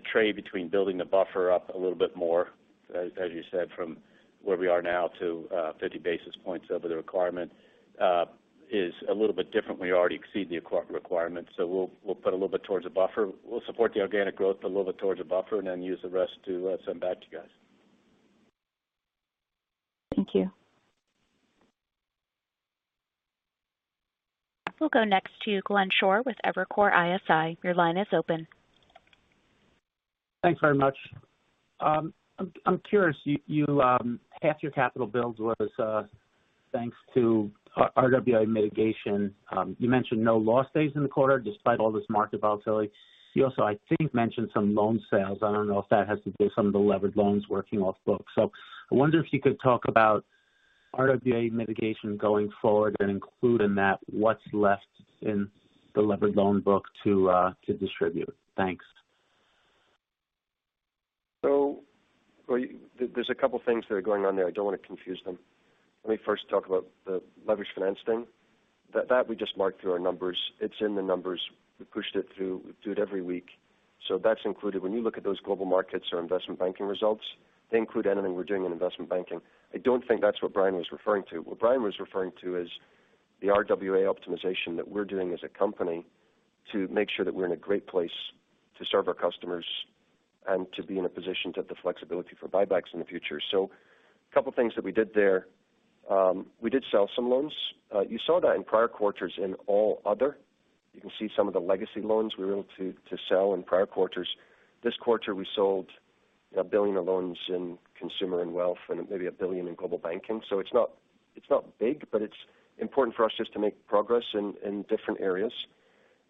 trade between building the buffer up a little bit more, as you said, from where we are now to 50 basis points over the requirement, is a little bit different when you already exceed the requirement. We'll put a little bit towards the buffer. We'll support the organic growth, put a little bit towards the buffer and then use the rest to send back to you guys. Thank you. We'll go next to Glenn Schorr with Evercore ISI. Your line is open. Thanks very much. I'm curious, you half your capital builds was thanks to RWA mitigation. You mentioned no loss days in the quarter despite all this market volatility. You also, I think, mentioned some loan sales. I don't know if that has to do with some of the leveraged loans working off book. I wonder if you could talk about RWA mitigation going forward and include in that what's left in the leveraged loan book to distribute. Thanks. There's a couple things that are going on there. I don't want to confuse them. Let me first talk about the leverage finance thing. That we just marked through our numbers. It's in the numbers. We pushed it through. We do it every week. That's included. When you look at those global markets or investment banking results, they include anything we're doing in investment banking. I don't think that's what Brian was referring to. What Brian was referring to is the RWA optimization that we're doing as a company to make sure that we're in a great place to serve our customers. To be in a position to have the flexibility for buybacks in the future. So a couple of things that we did there. We did sell some loans. You saw that in prior quarters in all other. You can see some of the legacy loans we were able to sell in prior quarters. This quarter we sold $1 billion of loans in consumer and wealth and maybe $1 billion in global banking. So it's not big, but it's important for us just to make progress in different areas.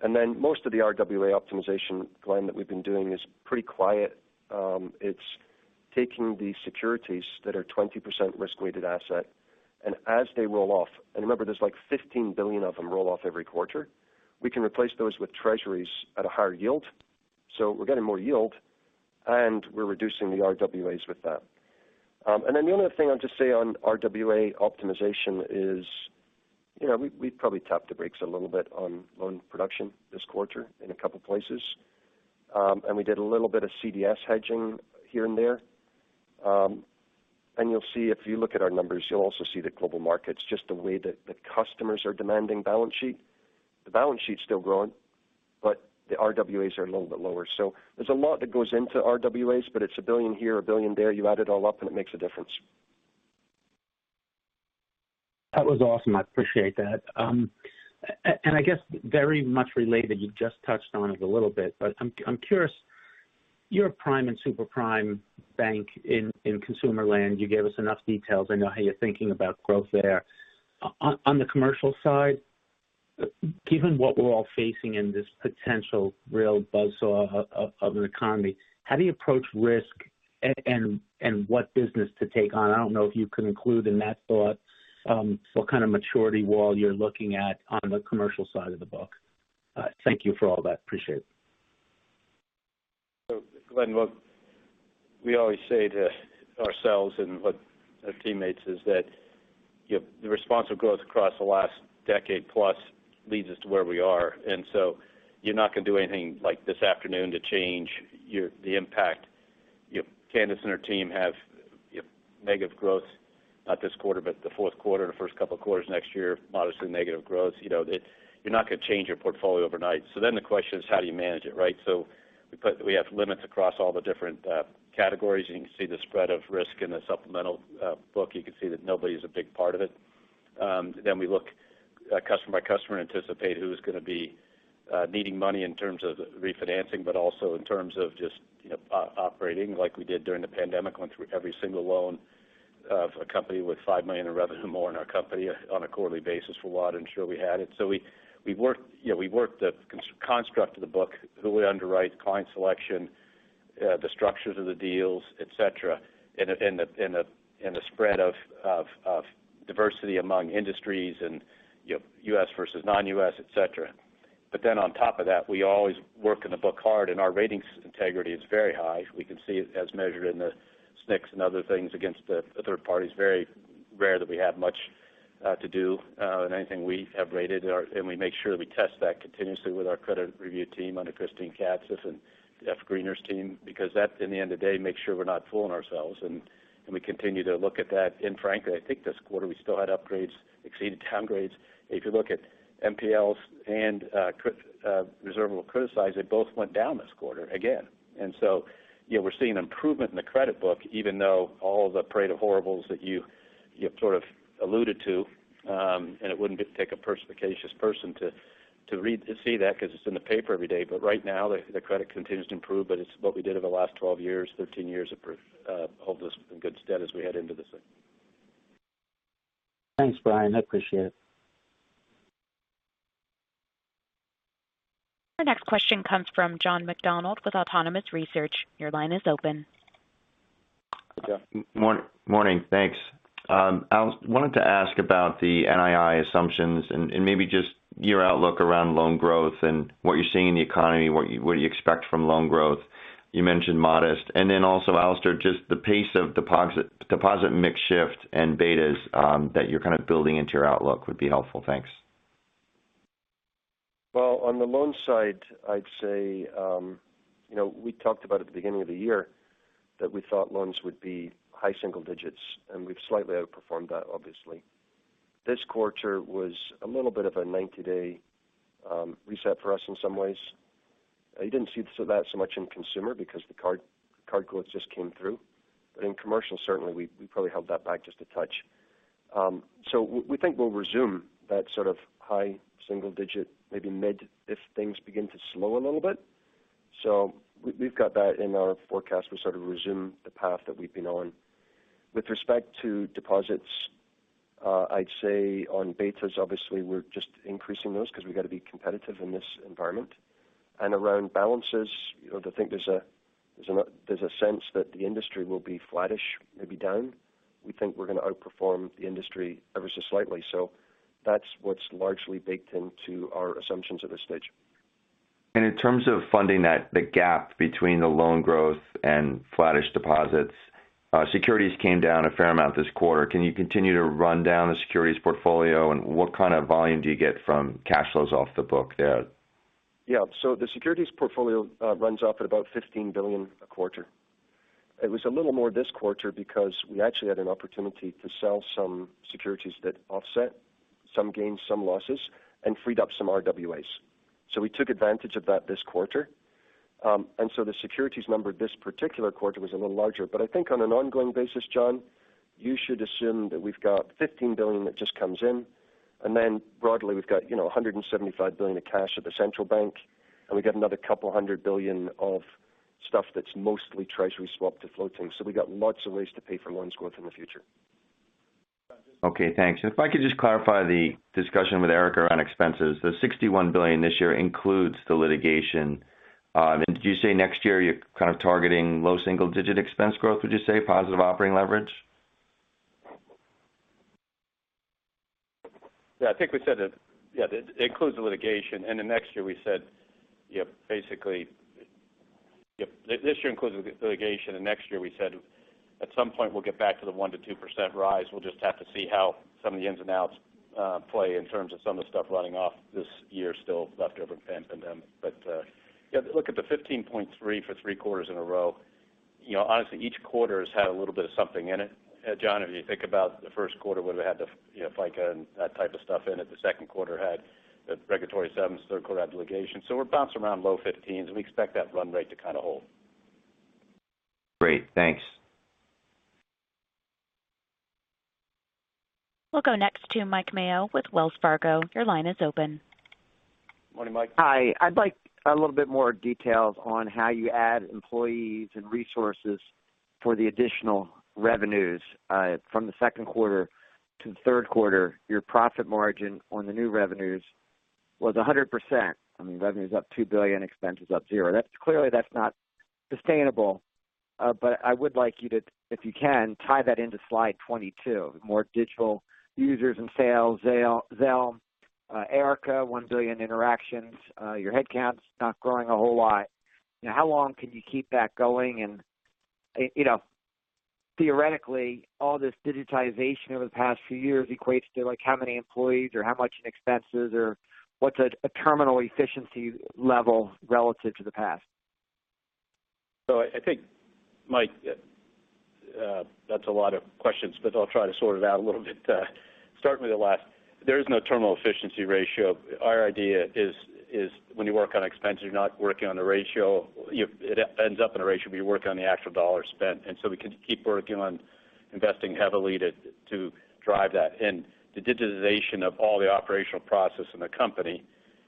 Then most of the RWA optimization plan that we've been doing is pretty quiet. It's taking the securities that are 20% risk-weighted asset, and as they roll off, and remember there's like $15 billion of them roll off every quarter, we can replace those with treasuries at a higher yield. We're getting more yield, and we're reducing the RWAs with that. The only other thing I'll just say on RWA optimization is, you know, we probably tapped the brakes a little bit on loan production this quarter in a couple places. We did a little bit of CDS hedging here and there. You'll see if you look at our numbers, you'll also see the global markets, just the way that customers are demanding balance sheet. The balance sheet's still growing, but the RWAs are a little bit lower. There's a lot that goes into RWAs, but it's a billion here, a billion there. You add it all up and it makes a difference. That was awesome. I appreciate that. And I guess very much related, you just touched on it a little bit, but I'm curious, you're a prime and super prime bank in consumer land. You gave us enough details. I know how you're thinking about growth there. On the commercial side, given what we're all facing in this potential real buzzsaw of an economy, how do you approach risk and what business to take on? I don't know if you can include in that thought what kind of maturity wall you're looking at on the commercial side of the book. Thank you for all that. Appreciate it. Glenn, look, we always say to ourselves and what our teammates is that the response of growth across the last decade plus leads us to where we are. You're not gonna do anything like this afternoon to change the impact. Candace and her team have negative growth, not this quarter, but the fourth quarter, the first couple of quarters next year, modestly negative growth. You know, that you're not going to change your portfolio overnight. The question is how do you manage it, right? We have limits across all the different categories. You can see the spread of risk in the supplemental book. You can see that nobody is a big part of it. We look customer by customer, anticipate who's gonna be needing money in terms of refinancing, but also in terms of just, you know, operating like we did during the pandemic. Went through every single loan of a company with $5 million or more in revenue in our company on a quarterly basis for a while to ensure we had it. We, you know, worked the construct of the book, who we underwrite, client selection, the structures of the deals, et cetera, in a spread of diversity among industries and U.S. versus non-U.S., et cetera. On top of that, we always work in the book hard and our ratings integrity is very high. We can see it as measured in the SNCs and other things against the third parties. Very rare that we have much to do in anything we have rated. We make sure that we test that continuously with our credit review team under Christine Katziff's and Geoff Greener's team, because that in the end of the day makes sure we're not fooling ourselves and we continue to look at that. Frankly, I think this quarter we still had upgrades exceeded downgrades. If you look at NPLs and criticized reserves, they both went down this quarter again. You know, we're seeing improvement in the credit book, even though all the parade of horribles that you sort of alluded to, and it wouldn't take a perspicacious person to see that because it's in the paper every day. Right now the credit continues to improve, but it's what we did over the last 12 years, 13 years of proof. Hold us in good stead as we head into this thing. Thanks, Brian. I appreciate it. Our next question comes from John McDonald with Autonomous Research. Your line is open. Morning. Thanks. I wanted to ask about the NII assumptions and maybe just your outlook around loan growth and what you're seeing in the economy. What do you expect from loan growth? You mentioned modest. Alastair, just the pace of deposit mix shift and betas that you're kind of building into your outlook would be helpful. Thanks. Well, on the loan side, I'd say, you know, we talked about at the beginning of the year that we thought loans would be high-single digits, and we've slightly outperformed that obviously. This quarter was a little bit of a 90-day reset for us in some ways. I didn't see that so much in consumer because the card quotes just came through. In commercial, certainly we probably held that back just a touch. We think we'll resume that sort of high-single digit, maybe mid if things begin to slow a little bit. We've got that in our forecast. We sort of resume the path that we've been on. With respect to deposits, I'd say on betas, obviously we're just increasing those because we've got to be competitive in this environment. Around balances, you know, I think there's a sense that the industry will be flattish, maybe down. We think we're going to outperform the industry ever so slightly. That's what's largely baked into our assumptions at this stage. In terms of funding that, the gap between the loan growth and flattish deposits, securities came down a fair amount this quarter. Can you continue to run down the securities portfolio? What kind of volume do you get from cash flows off the book there? Yeah. The securities portfolio runs off at about $15 billion a quarter. It was a little more this quarter because we actually had an opportunity to sell some securities that offset some gains, some losses, and freed up some RWAs. We took advantage of that this quarter. The securities number this particular quarter was a little larger. I think on an ongoing basis, John, you should assume that we've got $15 billion that just comes in. Then broadly, we've got, you know, $175 billion of cash at the central bank, and we got another couple hundred billion of stuff that's mostly Treasury swap to floating. We've got lots of ways to pay for loan growth in the future. Okay, thanks. If I could just clarify the discussion with Erica on expenses. The $61 billion this year includes the litigation. Did you say next year you're kind of targeting low single-digit expense growth, would you say? Positive operating leverage? Yeah. I think we said that, yeah, it includes the litigation, and then next year we said, yep, basically. Yep, this year includes the litigation, and next year we said at some point we'll get back to the 1%-2% rise. We'll just have to see how some of the ins and outs play in terms of some of the stuff running off this year still left over from the pandemic. Yeah, look at the 15.3% for three quarters in a row. You know, honestly, each quarter has had a little bit of something in it. John, if you think about the first quarter when we had the, you know, FICA and that type of stuff in it, the second quarter had the regulatory summons, third quarter had the litigation. We're bouncing around low 15s, and we expect that run rate to kind of hold. Great. Thanks. We'll go next to Mike Mayo with Wells Fargo. Your line is open. Morning, Mike. Hi. I'd like a little bit more details on how you add employees and resources for the additional revenues from the second quarter to the third quarter. Your profit margin on the new revenues was 100%. I mean, revenue is up $2 billion, expense is up zero. That's clearly, that's not sustainable. But I would like you to, if you can, tie that into slide 22, more digital users and sales, Zelle, Erica, 1 billion interactions. Your headcount's not growing a whole lot. How long can you keep that going? You know, theoretically, all this digitization over the past few years equates to, like, how many employees or how much in expenses or what's a terminal efficiency level relative to the past? I think, Mike, that's a lot of questions, but I'll try to sort it out a little bit. Starting with the last. There is no terminal efficiency ratio. Our idea is when you work on expenses, you're not working on a ratio. It ends up in a ratio, but you're working on the actual dollar spent. And so we can keep working on investing heavily to drive that. And the digitization of all the operational process in the company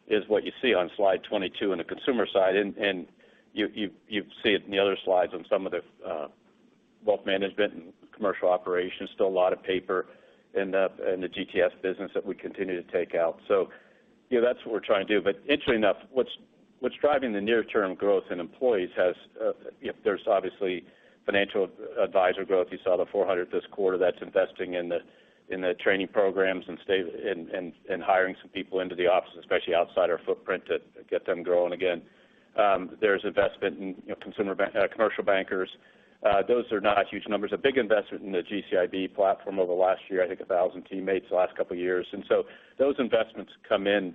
is what you see on slide 22 on the consumer side. And you see it in the other slides on some of the wealth management and commercial operations. Still a lot of paper in the GTS business that we continue to take out. That's what we're trying to do. Interestingly enough, what's driving the near-term growth in employees, you know, there's obviously financial advisor growth. You saw the 400 this quarter that's investing in the training programs and hiring some people into the office, especially outside our footprint, to get them growing again. There's investment in consumer and commercial bankers. Those are not huge numbers. A big investment in the GCIB platform over the last year. I think 1,000 teammates the last couple of years. Those investments come in.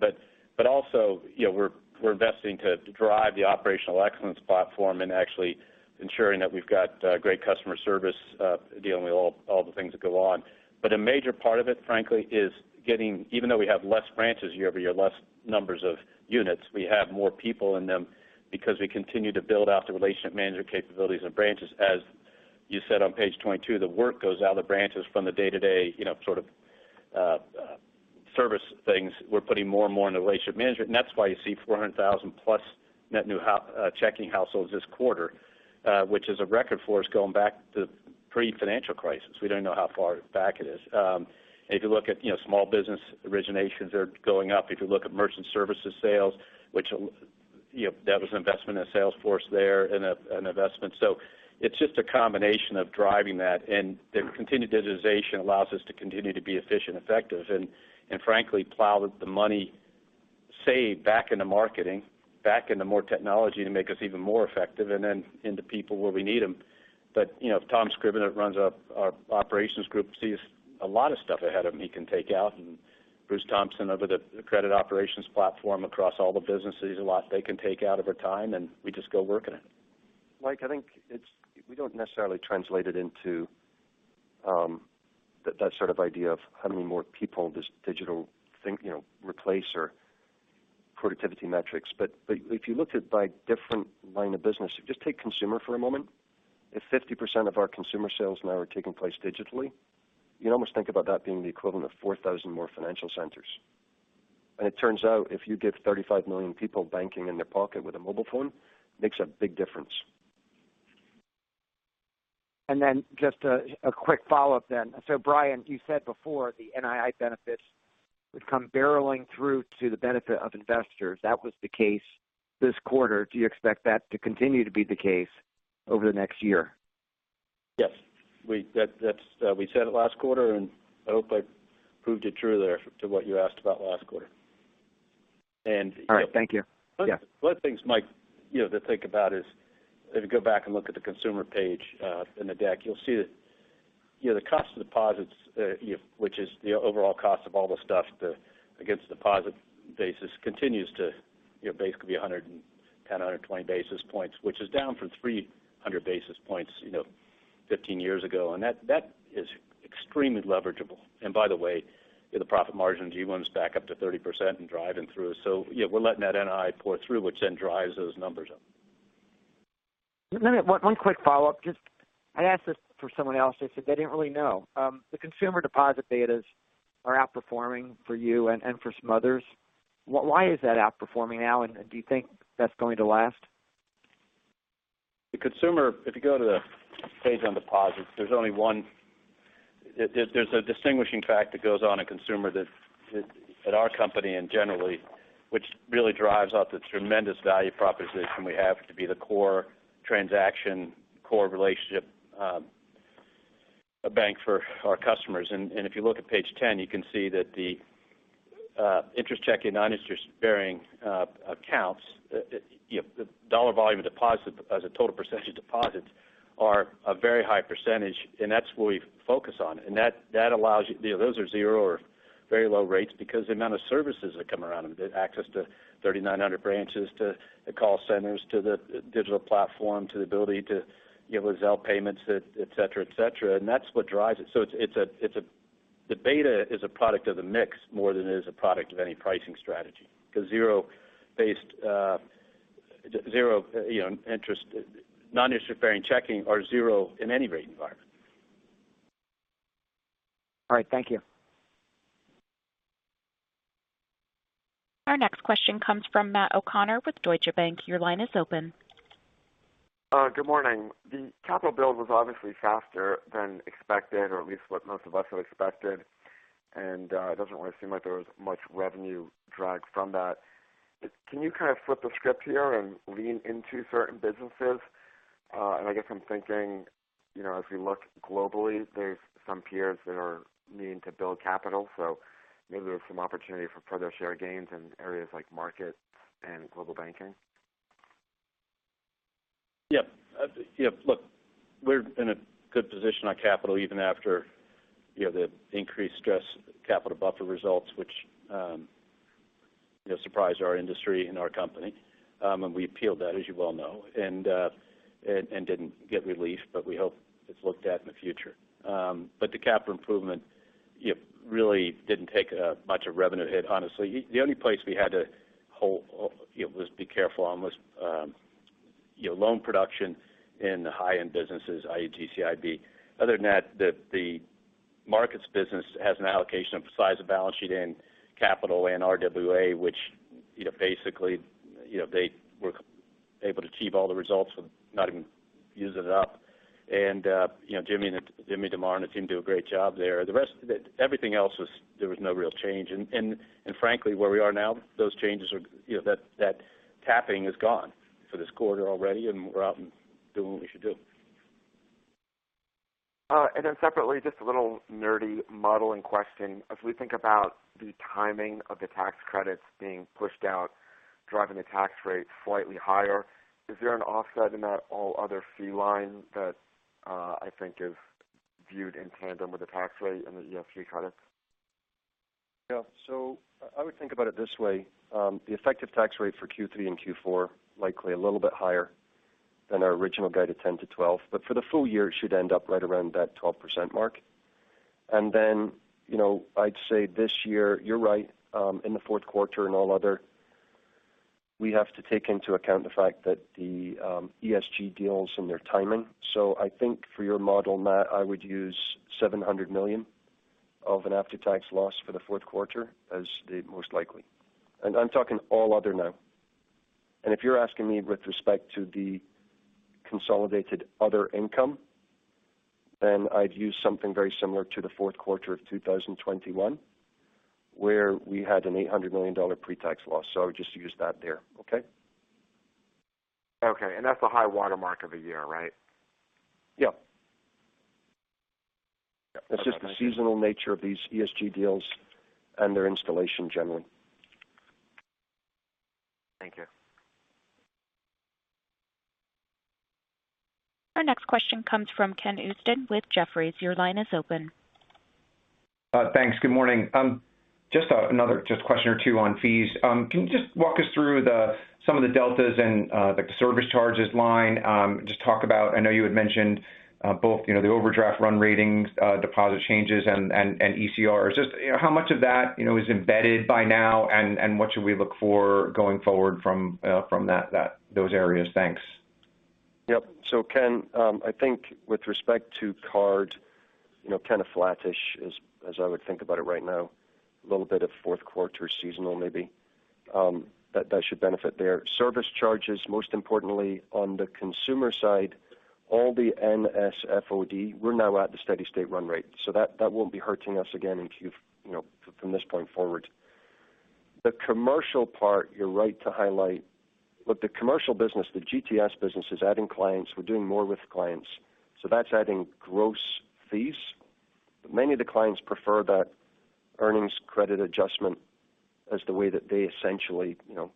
But also, you know, we're investing to drive the operational excellence platform and actually ensuring that we've got great customer service, dealing with all the things that go on. A major part of it, frankly, is getting. Even though we have less branches year over year, less numbers of units, we have more people in them because we continue to build out the relationship management capabilities of branches. As you said on page 22, the work goes out of the branches from the day-to-day, you know, sort of, service things. We're putting more and more in the relationship management. That's why you see 400,000+ net new checking households this quarter, which is a record for us going back to pre-financial crisis. We don't know how far back it is. If you look at, you know, small business originations, they're going up. If you look at merchant services sales, which, you know, that was an investment in Salesforce there and an investment. So it's just a combination of driving that. The continued digitization allows us to continue to be efficient, effective, and frankly, plow the money saved back into marketing, back into more technology to make us even more effective and then into people where we need them. But, you know, Tom Scrivener that runs our operations group sees a lot of stuff ahead of him he can take out. Bruce Thompson over the credit operations platform across all the businesses, a lot they can take out over time, and we just go working it. Mike, I think we don't necessarily translate it into that sort of idea of how many more people this digital thing, you know, replace or productivity metrics. But if you look at it by different lines of business, just take consumer for a moment. If 50% of our consumer sales now are taking place digitally, you can almost think about that being the equivalent of 4,000 more financial centers. It turns out, if you give 35 million people banking in their pocket with a mobile phone, makes a big difference. Just a quick follow-up then. Brian, you said before the NII benefits would come barreling through to the benefit of investors. That was the case this quarter. Do you expect that to continue to be the case over the next year? Yes. We said it last quarter, and I hope I proved it true there to what you asked about last quarter. All right. Thank you. Yeah. One of the things, Mike, you know, to think about is if you go back and look at the consumer page in the deck, you'll see that. You know, the cost of deposits, which is the overall cost of all the stuff the against deposit basis continues to, you know, basically be 110 or 120 basis points, which is down from 300 basis points, you know, 15 years ago. That is extremely leverageable. By the way, the profit margins, you want us back up to 30% and driving through. Yeah, we're letting that NII pour through, which then drives those numbers up. One quick follow-up. Just, I asked this for someone else. They said they didn't really know. The consumer deposit betas are outperforming for you and for some others. Why is that outperforming now? Do you think that's going to last? The consumer, if you go to the page on deposits, there's a distinguishing fact that goes on in consumer that's at our company and generally, which really drives out the tremendous value proposition we have to be the core transaction, core relationship, a bank for our customers. If you look at page 10, you can see that the interest checking, non-interest-bearing accounts, you know, the dollar volume of deposit as a total percentage of deposits are a very high percentage, and that's what we focus on. That allows you. Those are zero or very low rates because the amount of services that come around them, the access to 3,900 branches, to the call centers, to the digital platform, to the ability to give Zelle payments, et cetera. That's what drives it. The beta is a product of the mix more than it is a product of any pricing strategy. Because non-interest-bearing checking are zero in any rate environment. All right. Thank you. Our next question comes from Matt O'Connor with Deutsche Bank. Your line is open. Good morning. The capital build was obviously faster than expected, or at least what most of us had expected. It doesn't really seem like there was much revenue drag from that. Can you kind of flip the script here and lean into certain businesses? I guess I'm thinking, you know, as we look globally, there's some peers that are needing to build capital. So maybe there's some opportunity for further share gains in areas like Markets and Global Banking. Yeah. Yeah, look, we're in a good position on capital even after, you know, the increased Stress Capital Buffer results, which, you know, surprised our industry and our company. And we appealed that, as you well know, and didn't get relief, but we hope it's looked at in the future. But the capital improvement, you know, really didn't take much of a revenue hit. Honestly, the only place we had to hold, you know, was to be careful on loan production in the high-end businesses, i.e., GCIB. Other than that, the markets business has an allocation of size of balance sheet and capital and RWA, which, you know, basically, you know, they were able to achieve all the results without even using it up. You know, Jim DeMare and the team do a great job there. The rest of it, everything else was no real change. Frankly, where we are now, those changes are, you know, that tapping is gone for this quarter already, and we're out and doing what we should do. Separately, just a little nerdy modeling question. As we think about the timing of the tax credits being pushed out, driving the tax rate slightly higher, is there an offset in that all other fee line that I think is viewed in tandem with the tax rate and the ESG credits? Yeah. I would think about it this way. The effective tax rate for Q3 and Q4 likely a little bit higher than our original guide of 10%-12%, but for the full year, it should end up right around that 12% mark. Then, you know, I'd say this year, you're right, in the fourth quarter and all other, we have to take into account the fact that the ESG deals and their timing. I think for your model, Matt, I would use $700 million of an after-tax loss for the fourth quarter as the most likely. I'm talking all other now. If you're asking me with respect to the consolidated other income, then I'd use something very similar to the fourth quarter of 2021, where we had an $800 million pre-tax loss. I would just use that there. Okay? Okay. That's the high watermark of the year, right? Yeah. It's just the seasonal nature of these ESG deals and their installation generally. Thank you. Our next question comes from Ken Usdin with Jefferies. Your line is open. Thanks. Good morning. Just another question or two on fees. Can you just walk us through some of the deltas and like the service charges line? Just talk about. I know you had mentioned both, you know, the overdraft run rates, deposit changes and ECR. Just, you know, how much of that, you know, is embedded by now, and what should we look for going forward from that those areas? Thanks. Yep. Ken, I think with respect to card, you know, kind of flattish as I would think about it right now, a little bit of fourth quarter seasonal maybe, that should benefit there. Service charges, most importantly on the consumer side, all the NSF/OD, we're now at the steady-state run rate, so that won't be hurting us again until you've, you know, from this point forward. The commercial part, you're right to highlight. Look, the commercial business, the GTS business is adding clients. We're doing more with clients, so that's adding gross fees. But many of the clients prefer that earnings credit adjustment as the way that they essentially, you know.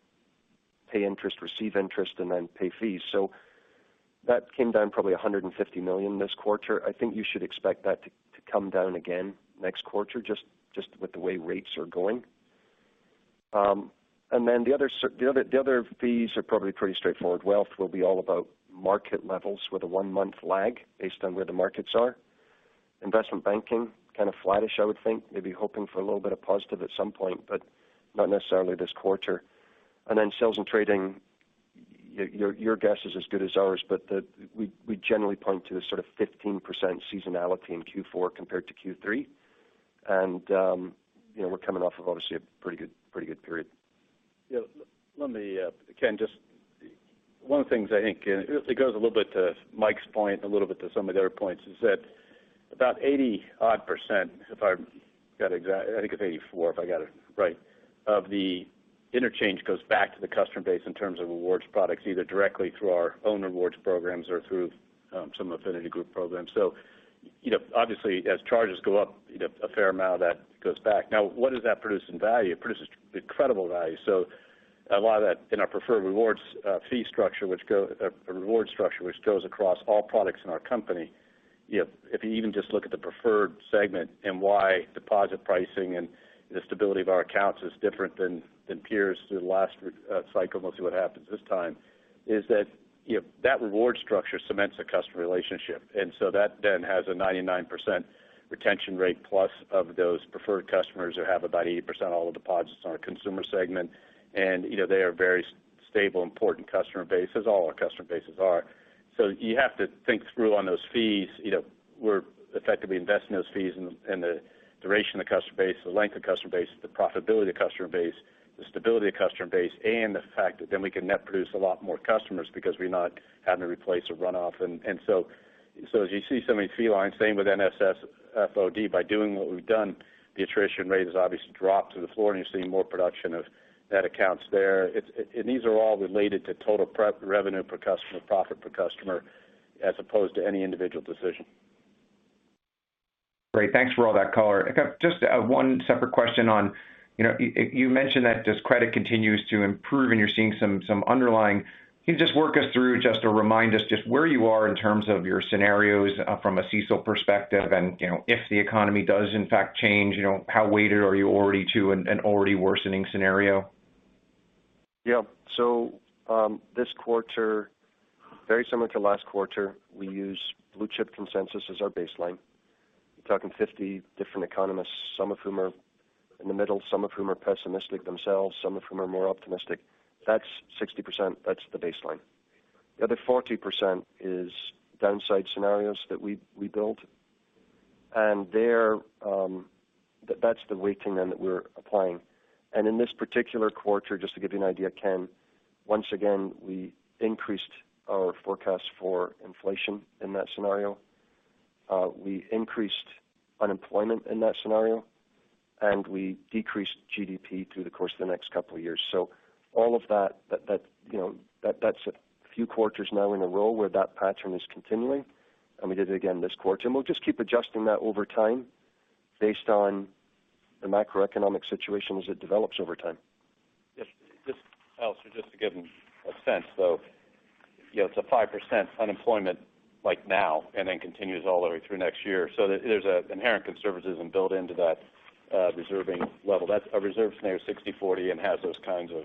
Pay interest, receive interest, and then pay fees. That came down probably $150 million this quarter. I think you should expect that to come down again next quarter, just with the way rates are going. And then the other fees are probably pretty straightforward. Wealth will be all about market levels with a one-month lag based on where the markets are. Investment banking, kind of flattish, I would think. Maybe hoping for a little bit of positive at some point, but not necessarily this quarter. Then sales and trading, your guess is as good as ours, but we generally point to the sort of 15% seasonality in Q4 compared to Q3. You know, we're coming off of obviously a pretty good period. Yeah. Let me, Ken, just one of the things I think, and it goes a little bit to Mike's point, a little bit to some of the other points, is that about 80-odd%, if I've got it exact. I think it's 84%, if I got it right, of the interchange goes back to the customer base in terms of rewards products, either directly through our own rewards programs or through some affinity group programs. You know, obviously, as charges go up, you know, a fair amount of that goes back. Now, what does that produce in value? It produces incredible value. A lot of that in our Preferred Rewards fee structure, a reward structure which goes across all products in our company. You know, if you even just look at the preferred segment and why deposit pricing and the stability of our accounts is different than peers through the last re-pricing cycle, and we'll see what happens this time, is that, you know, that reward structure cements the customer relationship. That then has a 99% retention rate plus of those preferred customers who have about 80% of all deposits in our consumer segment. You know, they are very stable, important customer base, as all our customer bases are. You have to think through on those fees, you know, we're effectively investing those fees in the duration of the customer base, the length of customer base, the profitability of customer base, the stability of customer base, and the fact that then we can net produce a lot more customers because we're not having to replace a runoff. As you see some of these fee lines, same with NSF/OD. By doing what we've done, the attrition rate has obviously dropped to the floor, and you're seeing more production of net accounts there. These are all related to total pre-revenue per customer, profit per customer, as opposed to any individual decision. Great. Thanks for all that color. I got just one separate question on, you know, you mentioned that this credit continues to improve and you're seeing some underlying. Can you just work us through just to remind us just where you are in terms of your scenarios from a CECL perspective? You know, if the economy does in fact change, you know, how weighted are you already to an already worsening scenario? Yeah. This quarter, very similar to last quarter, we use Blue Chip consensus as our baseline. We're talking 50 different economists, some of whom are in the middle, some of whom are pessimistic themselves, some of whom are more optimistic. That's 60%, that's the baseline. The other 40% is downside scenarios that we built. There, that's the weighting then that we're applying. In this particular quarter, just to give you an idea, Ken, once again, we increased our forecast for inflation in that scenario. We increased unemployment in that scenario, and we decreased GDP through the course of the next couple of years. All of that, you know, that's a few quarters now in a row where that pattern is continuing, and we did it again this quarter. We'll just keep adjusting that over time based on the macroeconomic situation as it develops over time. Yes. Just, Al, just to give them a sense, though, you know, it's 5% unemployment like now and then continues all the way through next year. There's an inherent conservatism built into that reserving level. That's a reserve scenario, 60/40, and has those kinds of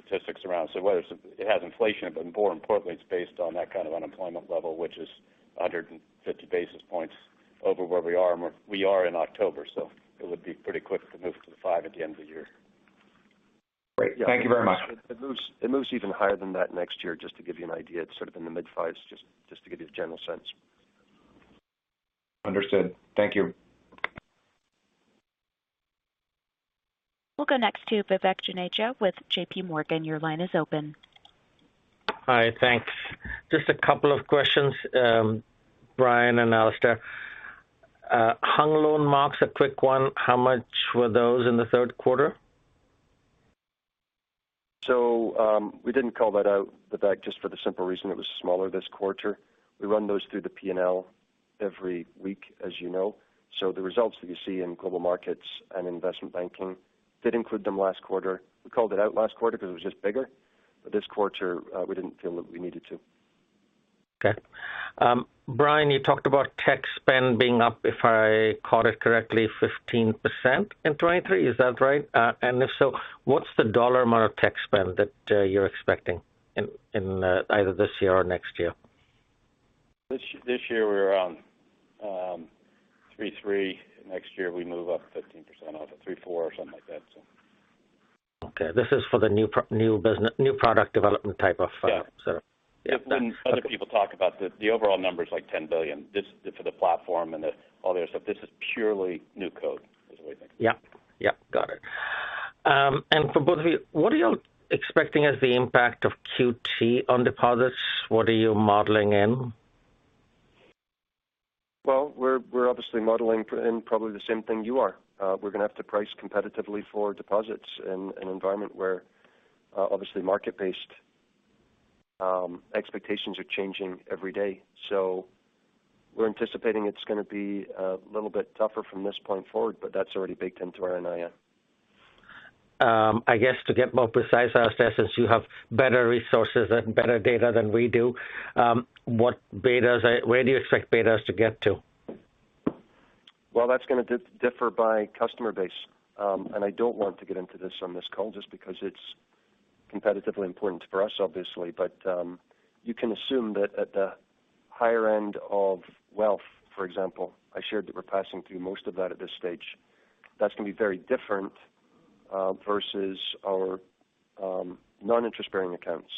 statistics around. It has inflation, but more importantly, it's based on that kind of unemployment level, which is 150 basis points over where we are. We are in October, so it would be pretty quick to move to the 5% at the end of the year. Great. Thank you very much. It moves even higher than that next year, just to give you an idea. It's sort of in the mid fives, just to give you a general sense. Understood. Thank you. We'll go next to Vivek Juneja with JPMorgan. Your line is open. Hi. Thanks. Just a couple of questions, Brian and Alastair. Hung loan marks, a quick one, how much were those in the third quarter? We didn't call that out, Vivek, just for the simple reason it was smaller this quarter. We run those through the P&L every week, as you know. The results that you see in global markets and investment banking did include them last quarter. We called it out last quarter because it was just bigger. This quarter, we didn't feel that we needed to. Okay. Brian, you talked about tech spend being up, if I caught it correctly, 15% in 2023. Is that right? If so, what's the dollar amount of tech spend that you're expecting in either this year or next year? This year we're around $3.3 billion. Next year we move up 15% off of $3.4 billion or something like that. Okay. This is for the new product development type of sort of. Yeah. When other people talk about the overall number is like $10 billion. This is for the platform and all the other stuff. This is purely new code is the way to think. Yeah. Got it. For both of you, what are you expecting as the impact of QT on deposits? What are you modeling in? Well, we're obviously modeling in probably the same thing you are. We're going to have to price competitively for deposits in an environment where obviously market-based expectations are changing every day. We're anticipating it's gonna be a little bit tougher from this point forward, but that's already baked into our NII. I guess to get more precise, I'll say since you have better resources and better data than we do, where do you expect betas to get to? Well, that's gonna differ by customer base. I don't want to get into this on this call just because it's competitively important for us, obviously. You can assume that at the higher end of wealth, for example, I shared that we're passing through most of that at this stage. That's gonna be very different versus our non-interest-bearing accounts.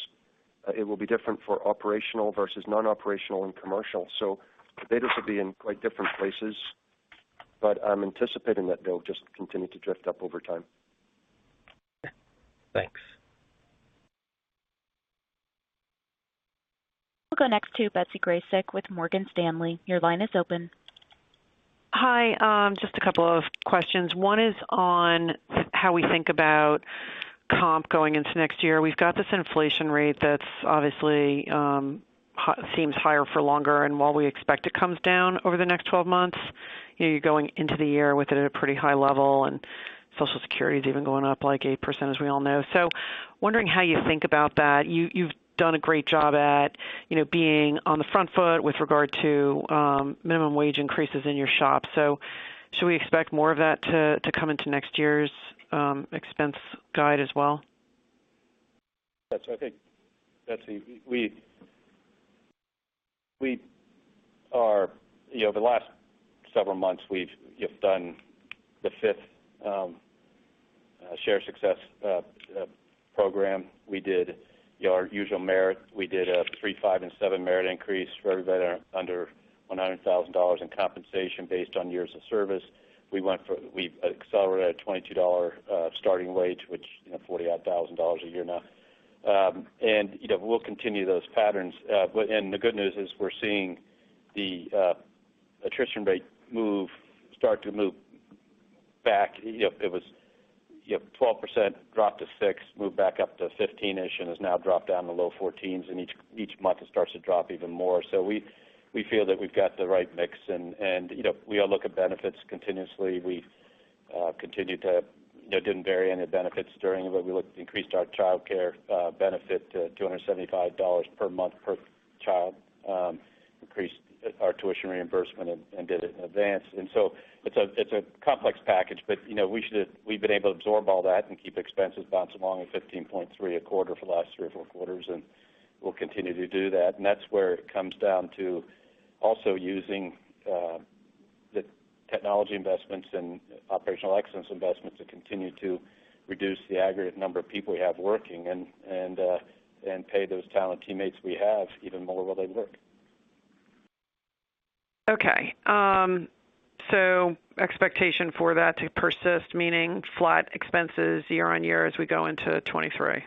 It will be different for operational versus non-operational and commercial. The betas will be in quite different places, but I'm anticipating that they'll just continue to drift up over time. Thanks. We'll go next to Betsy Graseck with Morgan Stanley. Your line is open. Hi. Just a couple of questions. One is on how we think about comp going into next year. We've got this inflation rate that's obviously hot, seems higher for longer. While we expect it comes down over the next 12 months, you're going into the year with it at a pretty high level, and Social Security is even going up like 8%, as we all know. Wondering how you think about that. You, you've done a great job at, you know, being on the front foot with regard to minimum wage increases in your shop. Should we expect more of that to come into next year's expense guide as well? Betsy, we are. You know, over the last several months, we've just done the fifth Sharing Success program. We did our usual merit. We did a 3%, 5%, and 7% merit increase for everybody under $100,000 in compensation based on years of service. We accelerated a $22 starting wage, which is $40,000-odd a year now. And, you know, we'll continue those patterns. But the good news is we're seeing the attrition rate start to move back. It was, you know, 12% drop to 6%, move back up to 15-ish%, and has now dropped down to low 14s%, and each month it starts to drop even more. So we feel that we've got the right mix, and, you know, we all look at benefits continuously. We continue to, you know, didn't vary any benefits during it, but we increased our childcare benefit to $275 per month per child, increased our tuition reimbursement and did it in advance. It's a complex package, but, you know, we've been able to absorb all that and keep expenses bouncing along at 15.3% a quarter for the last three or four quarters, and we'll continue to do that. That's where it comes down to also using the technology investments and operational excellence investments to continue to reduce the aggregate number of people we have working and pay those talented teammates we have even more while they work. Expectation for that to persist, meaning flat expenses year-over-year as we go into 2023.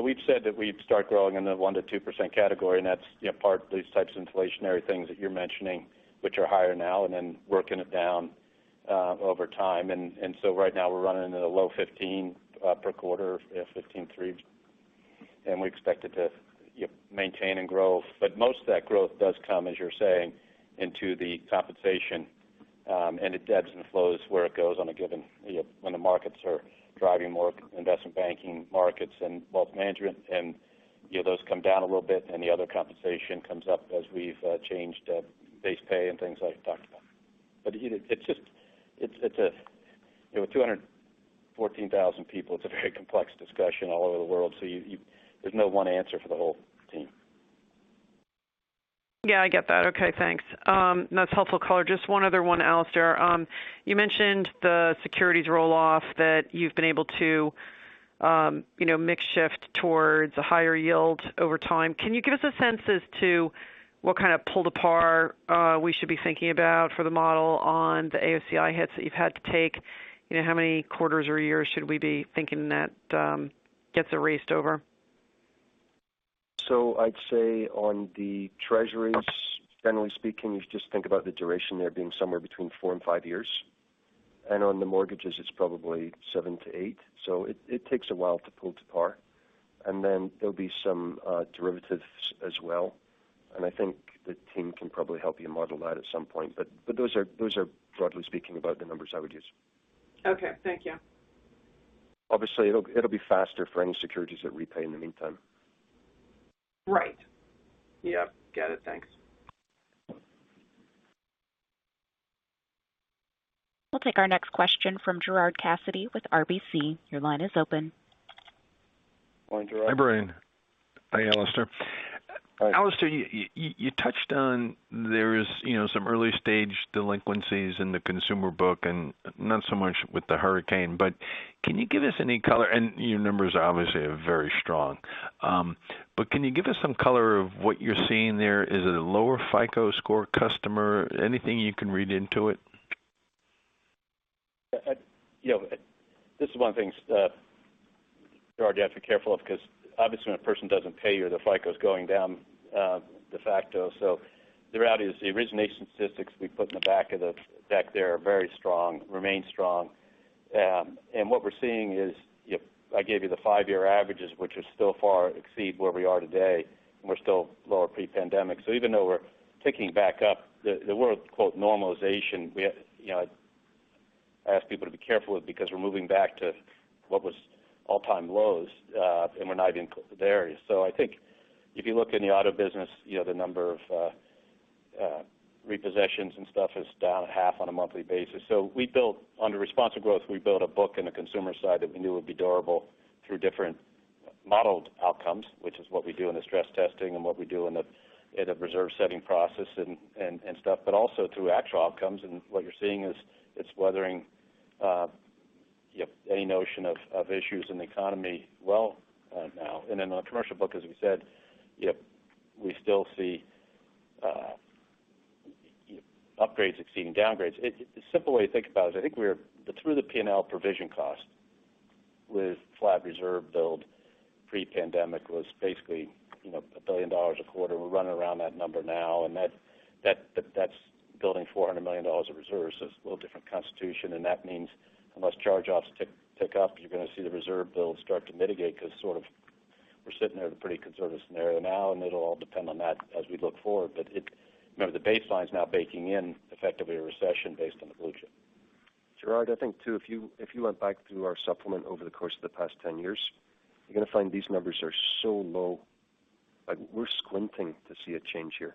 We've said that we'd start growing in the 1%-2% category, and that's, you know, part of these types of inflationary things that you're mentioning, which are higher now, and then working it down over time. So right now we're running at a low-$15 per quarter, yeah, $15.3, and we expect it to, you know, maintain and grow. But most of that growth does come, as you're saying, into the compensation. And it ebbs and flows where it goes on a given, you know, when the markets are driving more investment banking markets and wealth management. And, you know, those come down a little bit, and the other compensation comes up as we've changed base pay and things I've talked about. With 214,000 people, it's a very complex discussion all over the world. You, there's no one answer for the whole team. Yeah, I get that. Okay, thanks. That's helpful color. Just one other one, Alastair. You mentioned the securities roll-off that you've been able to, you know, mix shift towards a higher yield over time. Can you give us a sense as to what kind of pull to par we should be thinking about for the model on the AOCI hits that you've had to take? You know, how many quarters or years should we be thinking that gets erased over? I'd say on the Treasuries, generally speaking, you just think about the duration there being somewhere between four and five years. On the mortgages, it's probably seven to eight. It takes a while to pull to par. Then there'll be some derivatives as well. I think the team can probably help you model that at some point. Those are broadly speaking about the numbers I would use. Okay. Thank you. Obviously, it'll be faster for any securities that repay in the meantime. Right. Yep. Got it. Thanks. We'll take our next question from Gerard Cassidy with RBC. Your line is open. Go on, Gerard. Hi, Brian. Hi, Alastair. Hi. Alastair, you touched on there is, you know, some early-stage delinquencies in the consumer book and not so much with the hurricane. Can you give us any color? Your numbers are obviously very strong. Can you give us some color of what you're seeing there? Is it a lower FICO score customer? Anything you can read into it? You know, this is one of the things, Gerard, you have to be careful of because obviously when a person doesn't pay you, their FICO is going down, de facto. So the reality is the origination statistics we put in the back of the deck there are very strong, remain strong. And what we're seeing is, you know, I gave you the five-year averages, which are still far exceed where we are today, and we're still lower pre-pandemic. So even though we're ticking back up the word quote normalization, we have, you know, I ask people to be careful because we're moving back to what was all-time lows, and we're not even there yet. So I think if you look in the auto business, you know, the number of repossessions and stuff is down at half on a monthly basis. We built under responsive growth. We built a book in the consumer side that we knew would be durable through different modeled outcomes, which is what we do in the stress testing and what we do in the reserve setting process and stuff, but also through actual outcomes. What you're seeing is it's weathering, you know, any notion of issues in the economy well now. In our commercial book, as we said, you know, we still see, you know, upgrades exceeding downgrades. The simple way to think about it, I think we're through the P&L provision cost with flat reserve build pre-pandemic was basically, you know, $1 billion a quarter. We're running around that number now, and that, but that's building $400 million of reserves. It's a little different constitution. That means unless charge-offs pick up, you're gonna see the reserve build start to mitigate because sort of we're sitting there in a pretty conservative scenario now, and it'll all depend on that as we look forward. Remember, the baseline is now baking in effectively a recession based on the Blue Chip. Gerard, I think too, if you went back through our supplement over the course of the past 10 years, you're gonna find these numbers are so low, like we're squinting to see a change here.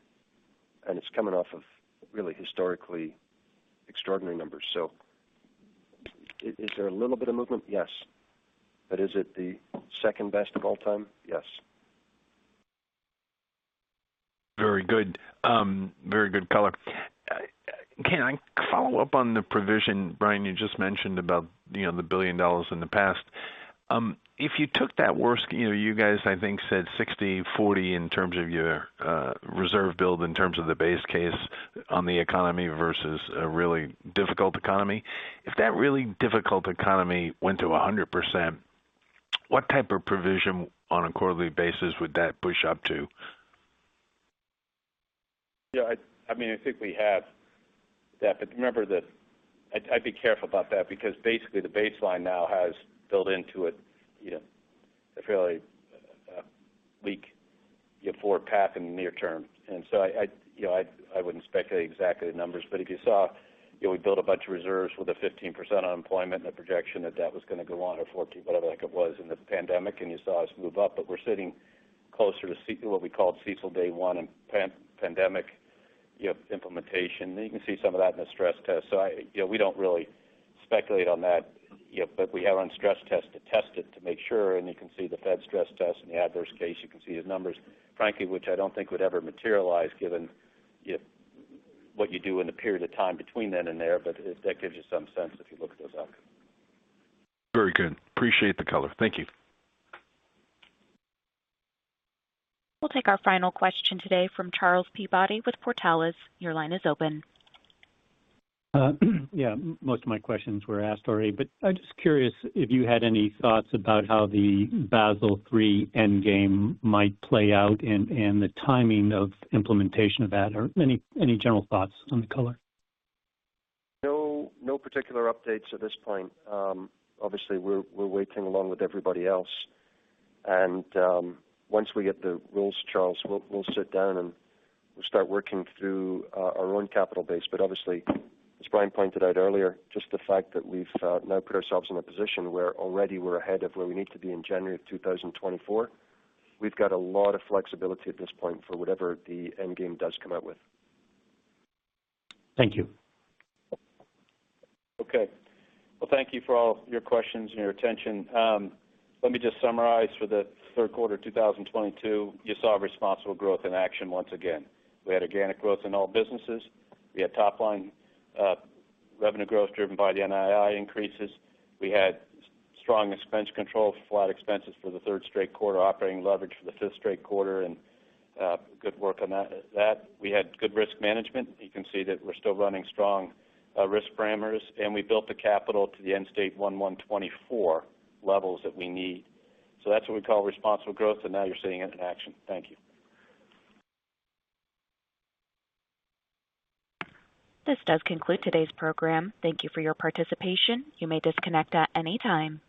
It's coming off of really historically extraordinary numbers. Is there a little bit of movement? Yes. But is it the second best of all time? Yes. Very good. Very good color. Can I follow up on the provision, Brian, you just mentioned about, you know, the $1 billion in the past. If you took that worst, you know, you guys, I think, said 60/40 in terms of your reserve build in terms of the base case on the economy versus a really difficult economy. If that really difficult economy went to 100%, what type of provision on a quarterly basis would that push up to? Yeah, I mean I think we have that. Remember that I'd be careful about that because basically the baseline now has built into it, you know, a fairly weak forward path in the near term. I wouldn't speculate exactly the numbers. If you saw, you know, we built a bunch of reserves with 15% unemployment and a projection that that was gonna go on or 14%, whatever, like it was in the pandemic, and you saw us move up. We're sitting closer to what we called CECL day one and pre-pandemic, you know, implementation. You can see some of that in the stress test. You know, we don't really speculate on that, you know, but we have our own stress test to test it to make sure. You can see the Fed stress test. In the adverse case, you can see the numbers, frankly, which I don't think would ever materialize given, you know, what you do in the period of time between then and there. That gives you some sense if you look at those outcomes. Very good. Appreciate the color. Thank you. We'll take our final question today from Charles Peabody with Portales. Your line is open. Yeah, most of my questions were asked already, but I'm just curious if you had any thoughts about how the Basel III endgame might play out and the timing of implementation of that, or any general thoughts on the color. No, no particular updates at this point. Obviously we're waiting along with everybody else. Once we get the rules, Charles, we'll sit down and we'll start working through our own capital base. Obviously, as Brian pointed out earlier, just the fact that we've now put ourselves in a position where already we're ahead of where we need to be in January of 2024. We've got a lot of flexibility at this point for whatever the end game does come out with. Thank you. Okay. Well, thank you for all your questions and your attention. Let me just summarize for the third quarter of 2022. You saw responsible growth in action once again. We had organic growth in all businesses. We had top line revenue growth driven by the NII increases. We had strong expense control, flat expenses for the third straight quarter, operating leverage for the fifth straight quarter, and good work on that. We had good risk management. You can see that we're still running strong risk parameters. We built the capital to the end state 01/01/2024 levels that we need. That's what we call responsible growth, and now you're seeing it in action. Thank you. This does conclude today's program. Thank you for your participation. You may disconnect at any time.